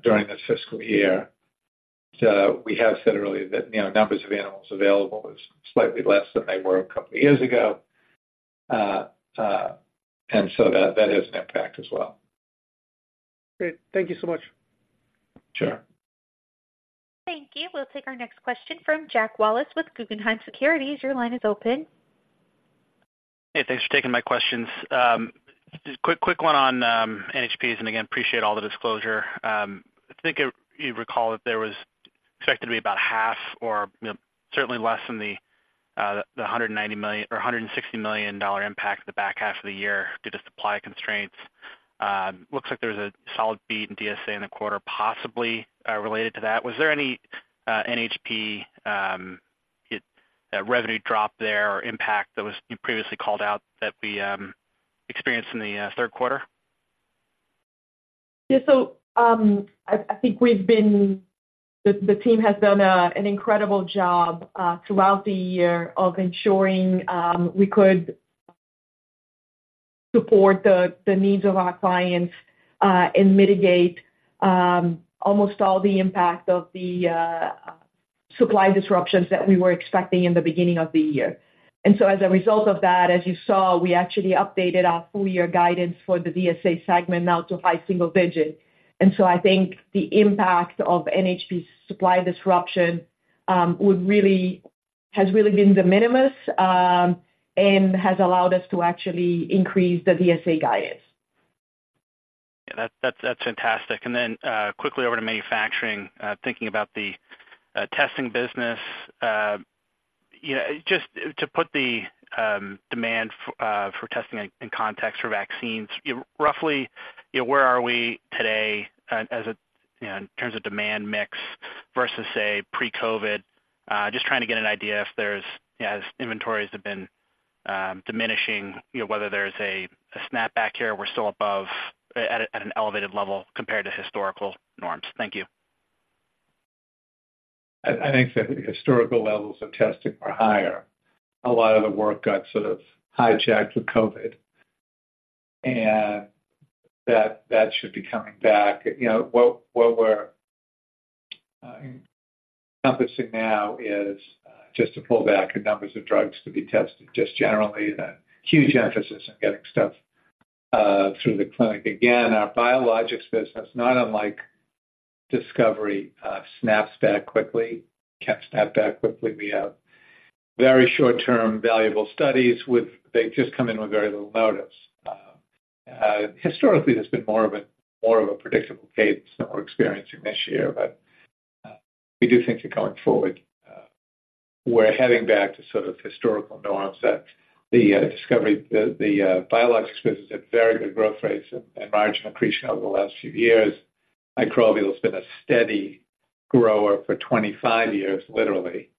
C: during this fiscal year. We have said earlier that, you know, numbers of animals available is slightly less than they were a couple of years ago. And so that has an impact as well.
P: Great. Thank you so much.
C: Sure.
A: Thank you. We'll take our next question from Jack Wallace with Guggenheim Securities. Your line is open.
Q: Hey, thanks for taking my questions. Quick, quick one on NHPs, and again, appreciate all the disclosure. I think if you recall that there was expected to be about half or, you know, certainly less than the $190 million or $160 million dollar impact in the back half of the year due to supply constraints. Looks like there was a solid beat in DSA in the quarter, possibly related to that. Was there any NHP revenue drop there or impact that was previously called out that we experienced in the third quarter?
D: Yeah. So, I think the team has done an incredible job throughout the year of ensuring we could support the needs of our clients and mitigate almost all the impact of the supply disruptions that we were expecting in the beginning of the year. So as a result of that, as you saw, we actually updated our full year guidance for the DSA segment now to high single digit. So I think the impact of NHP's supply disruption has really been de minimis and has allowed us to actually increase the DSA guidance.
Q: Yeah, that, that's, that's fantastic. And then, quickly over to manufacturing, thinking about the testing business, you know, just to put the demand for testing in context for vaccines, roughly, you know, where are we today as a, you know, in terms of demand mix versus, say, pre-COVID? Just trying to get an idea if there's, you know, as inventories have been diminishing, you know, whether there's a snapback here, we're still above, at an elevated level compared to historical norms. Thank you.
C: I think the historical levels of testing are higher. A lot of the work got sort of hijacked with COVID, and that should be coming back. You know, what we're encompassing now is just to pull back the numbers of drugs to be tested, just generally, a huge emphasis on getting stuff through the clinic. Again, our biologics business, not unlike discovery, snaps back quickly, can snap back quickly. We have very short-term valuable studies with—they just come in with very little notice. Historically, there's been more of a predictable pace than we're experiencing this year, but we do think that going forward, we're heading back to sort of historical norms, that the discovery, the biologics business had very good growth rates and margin accretion over the last few years. Microbial has been a steady grower for 25 years, literally,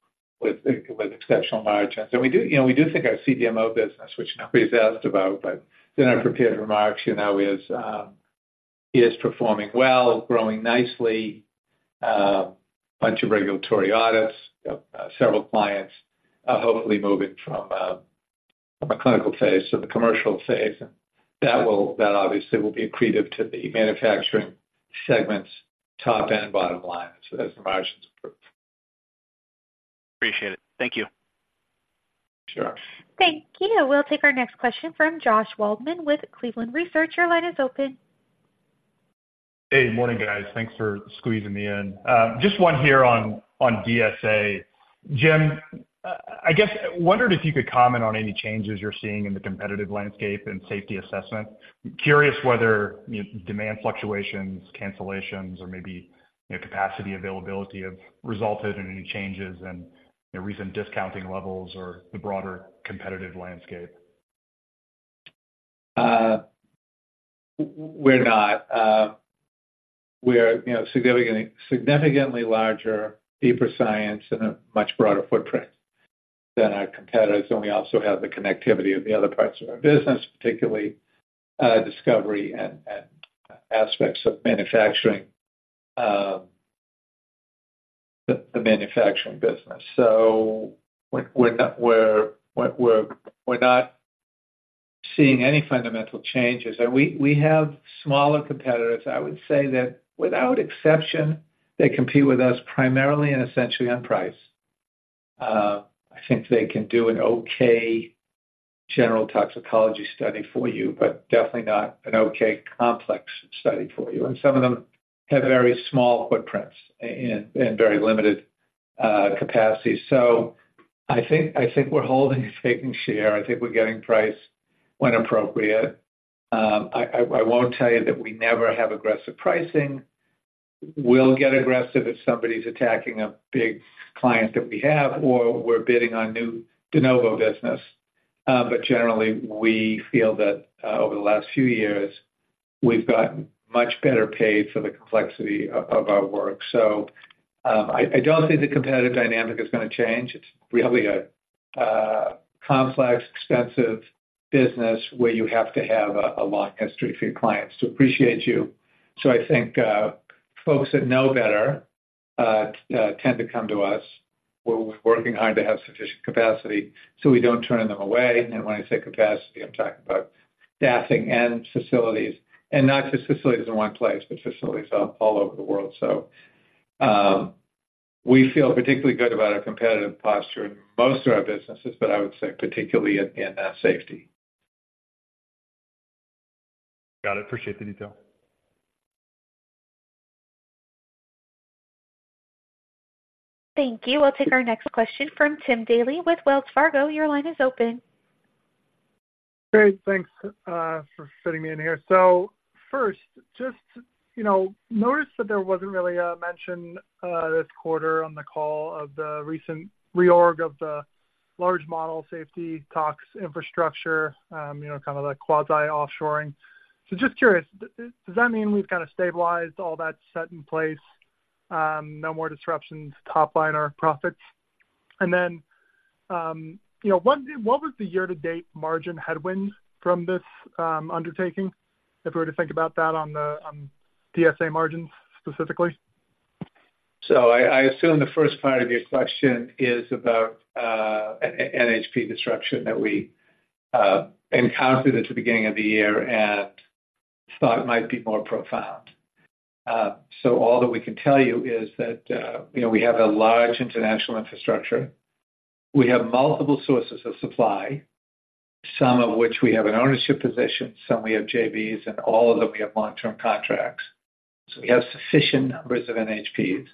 C: with exceptional margins. And we do, you know, we do think our CDMO business, which nobody's asked about, but in our prepared remarks, you know, is performing well, growing nicely, bunch of regulatory audits, several clients, hopefully moving from a clinical phase to the commercial phase, and that obviously will be accretive to the manufacturing segment's top and bottom line as margins improve.
Q: Appreciate it. Thank you.
C: Sure.
A: Thank you. We'll take our next question from Josh Waldman with Cleveland Research. Your line is open.
F: Hey, morning, guys. Thanks for squeezing me in. Just one here on DSA. Jim, I guess, wondered if you could comment on any changes you're seeing in the competitive landscape and safety assessment. Curious whether, you know, demand fluctuations, cancellations, or maybe, you know, capacity availability have resulted in any changes in, you know, recent discounting levels or the broader competitive landscape.
C: We're not. We're, you know, significantly larger, deeper science and a much broader footprint than our competitors, and we also have the connectivity of the other parts of our business, particularly, discovery and aspects of manufacturing, the manufacturing business. So we're not seeing any fundamental changes. And we have smaller competitors. I would say that without exception, they compete with us primarily and essentially on price. I think they can do an okay general toxicology study for you, but definitely not an okay complex study for you. And some of them have very small footprints and very limited capacity. So I think we're holding, taking share. I think we're getting price when appropriate. I won't tell you that we never have aggressive pricing. We'll get aggressive if somebody's attacking a big client that we have or we're bidding on new de novo business. But generally, we feel that, over the last few years, we've gotten much better paid for the complexity of our work. So, I don't think the competitive dynamic is gonna change. It's really a complex, expensive business where you have to have a long history for your clients to appreciate you. So I think, folks that know better tend to come to us. We're working hard to have sufficient capacity, so we don't turn them away. And when I say capacity, I'm talking about staffing and facilities, and not just facilities in one place, but facilities all over the world. So, we feel particularly good about our competitive posture in most of our businesses, but I would say particularly in safety.
F: Got it. Appreciate the detail.
A: Thank you. We'll take our next question from Tim Daley with Wells Fargo. Your line is open.
R: Great, thanks for fitting me in here. So first, just, you know, noticed that there wasn't really a mention this quarter on the call of the recent reorg of the large model safety tox, infrastructure, you know, kind of the quasi-offshoring. So just curious, does that mean we've kind of stabilized all that set in place, no more disruptions, top line or profits? And then, you know, what, what was the year-to-date margin headwind from this undertaking, if we were to think about that on the, on DSA margins, specifically?
C: So I assume the first part of your question is about NHP disruption that we encountered at the beginning of the year and thought it might be more profound. So all that we can tell you is that, you know, we have a large international infrastructure. We have multiple sources of supply, some of which we have an ownership position, some we have JVs, and all of them we have long-term contracts. So we have sufficient numbers of NHPs.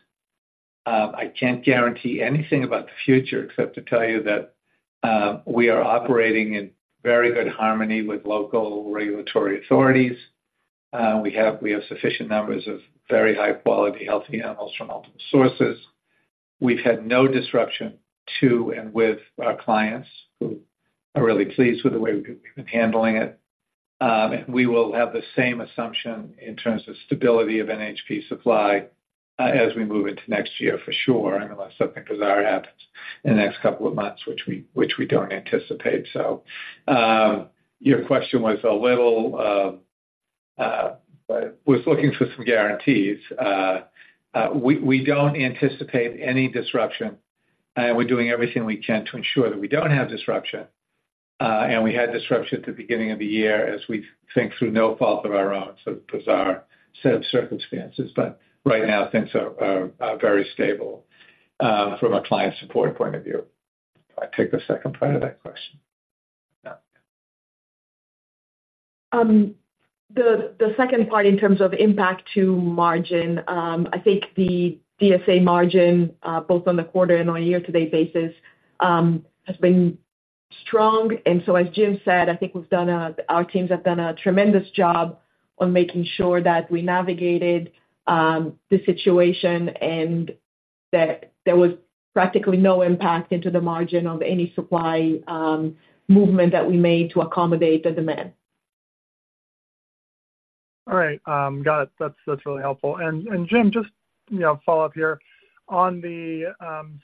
C: I can't guarantee anything about the future, except to tell you that we are operating in very good harmony with local regulatory authorities. We have sufficient numbers of very high quality, healthy animals from multiple sources. We've had no disruption to and with our clients, who are really pleased with the way we've been handling it. And we will have the same assumption in terms of stability of NHP supply, as we move into next year for sure, unless something bizarre happens in the next couple of months, which we don't anticipate. So, your question was a little, was looking for some guarantees. We don't anticipate any disruption, and we're doing everything we can to ensure that we don't have disruption. And we had disruption at the beginning of the year as we think, through no fault of our own, so bizarre set of circumstances. But right now, things are very stable, from a client support point of view. I take the second part of that question?
D: The second part, in terms of impact to margin, I think the DSA margin, both on the quarter and on a year-to-date basis, has been strong. And so as Jim said, I think we've done our teams have done a tremendous job on making sure that we navigated the situation, and that there was practically no impact into the margin of any supply movement that we made to accommodate the demand.
R: All right, got it. That's really helpful. And Jim, just you know, follow up here. On the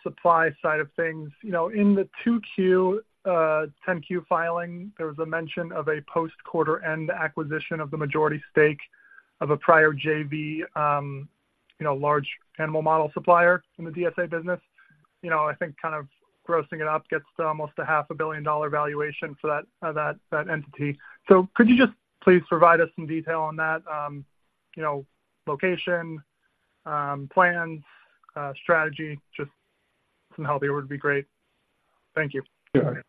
R: supply side of things, you know, in the 2Q 10-Q filing, there was a mention of a post-quarter-end acquisition of the majority stake of a prior JV, you know, large animal model supplier in the DSA business. You know, I think kind of grossing it up gets to almost a $500 million valuation for that entity. So could you just please provide us some detail on that, you know, location, plans, strategy, just some help here would be great. Thank you.
C: Sure.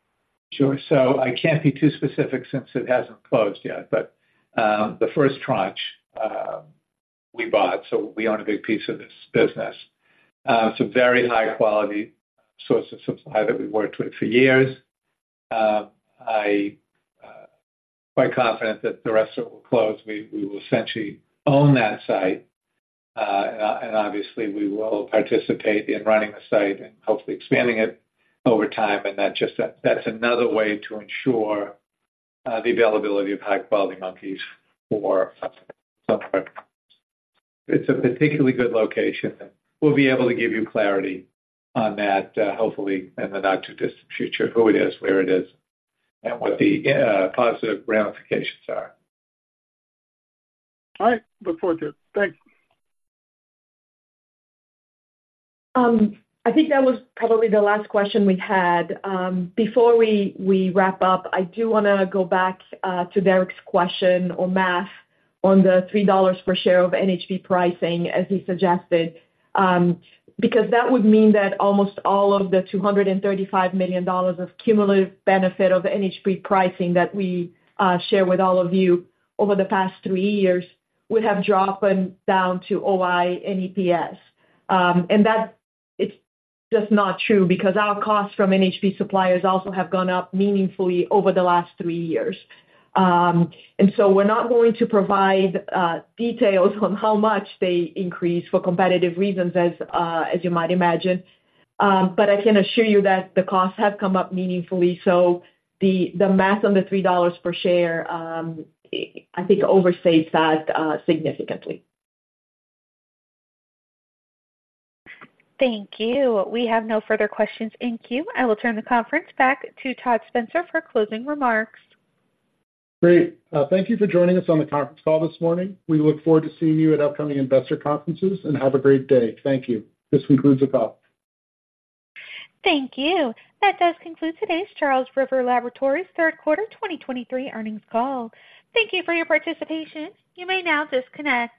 C: Sure. So I can't be too specific since it hasn't closed yet, but, the first tranche, we bought, so we own a big piece of this business. It's a very high quality source of supply that we've worked with for years. I, quite confident that the rest of it will close. We, we will essentially own that site. And obviously, we will participate in running the site and hopefully expanding it over time, and that just... That's another way to ensure, the availability of high quality monkeys for some part. It's a particularly good location. We'll be able to give you clarity on that, hopefully in the not-too-distant future, who it is, where it is, and what the, positive ramifications are.
R: All right. Look forward to it. Thanks.
D: I think that was probably the last question we had. Before we wrap up, I do wanna go back to Derik's question or math on the $3 per share of NHP pricing, as he suggested. Because that would mean that almost all of the $235 million of cumulative benefit of NHP pricing that we share with all of you over the past 3 years would have dropped down to OI and EPS. And that is just not true, because our costs from NHP suppliers also have gone up meaningfully over the last 3 years. And so we're not going to provide details on how much they increased for competitive reasons as you might imagine. But I can assure you that the costs have come up meaningfully, so the, the math on the $3 per share, I think overstates that, significantly.
A: Thank you. We have no further questions in queue. I will turn the conference back to Todd Spencer for closing remarks.
B: Great. Thank you for joining us on the conference call this morning. We look forward to seeing you at upcoming investor conferences, and have a great day. Thank you. This concludes the call.
A: Thank you. That does conclude today's Charles River Laboratories third quarter 2023 earnings call. Thank you for your participation. You may now disconnect.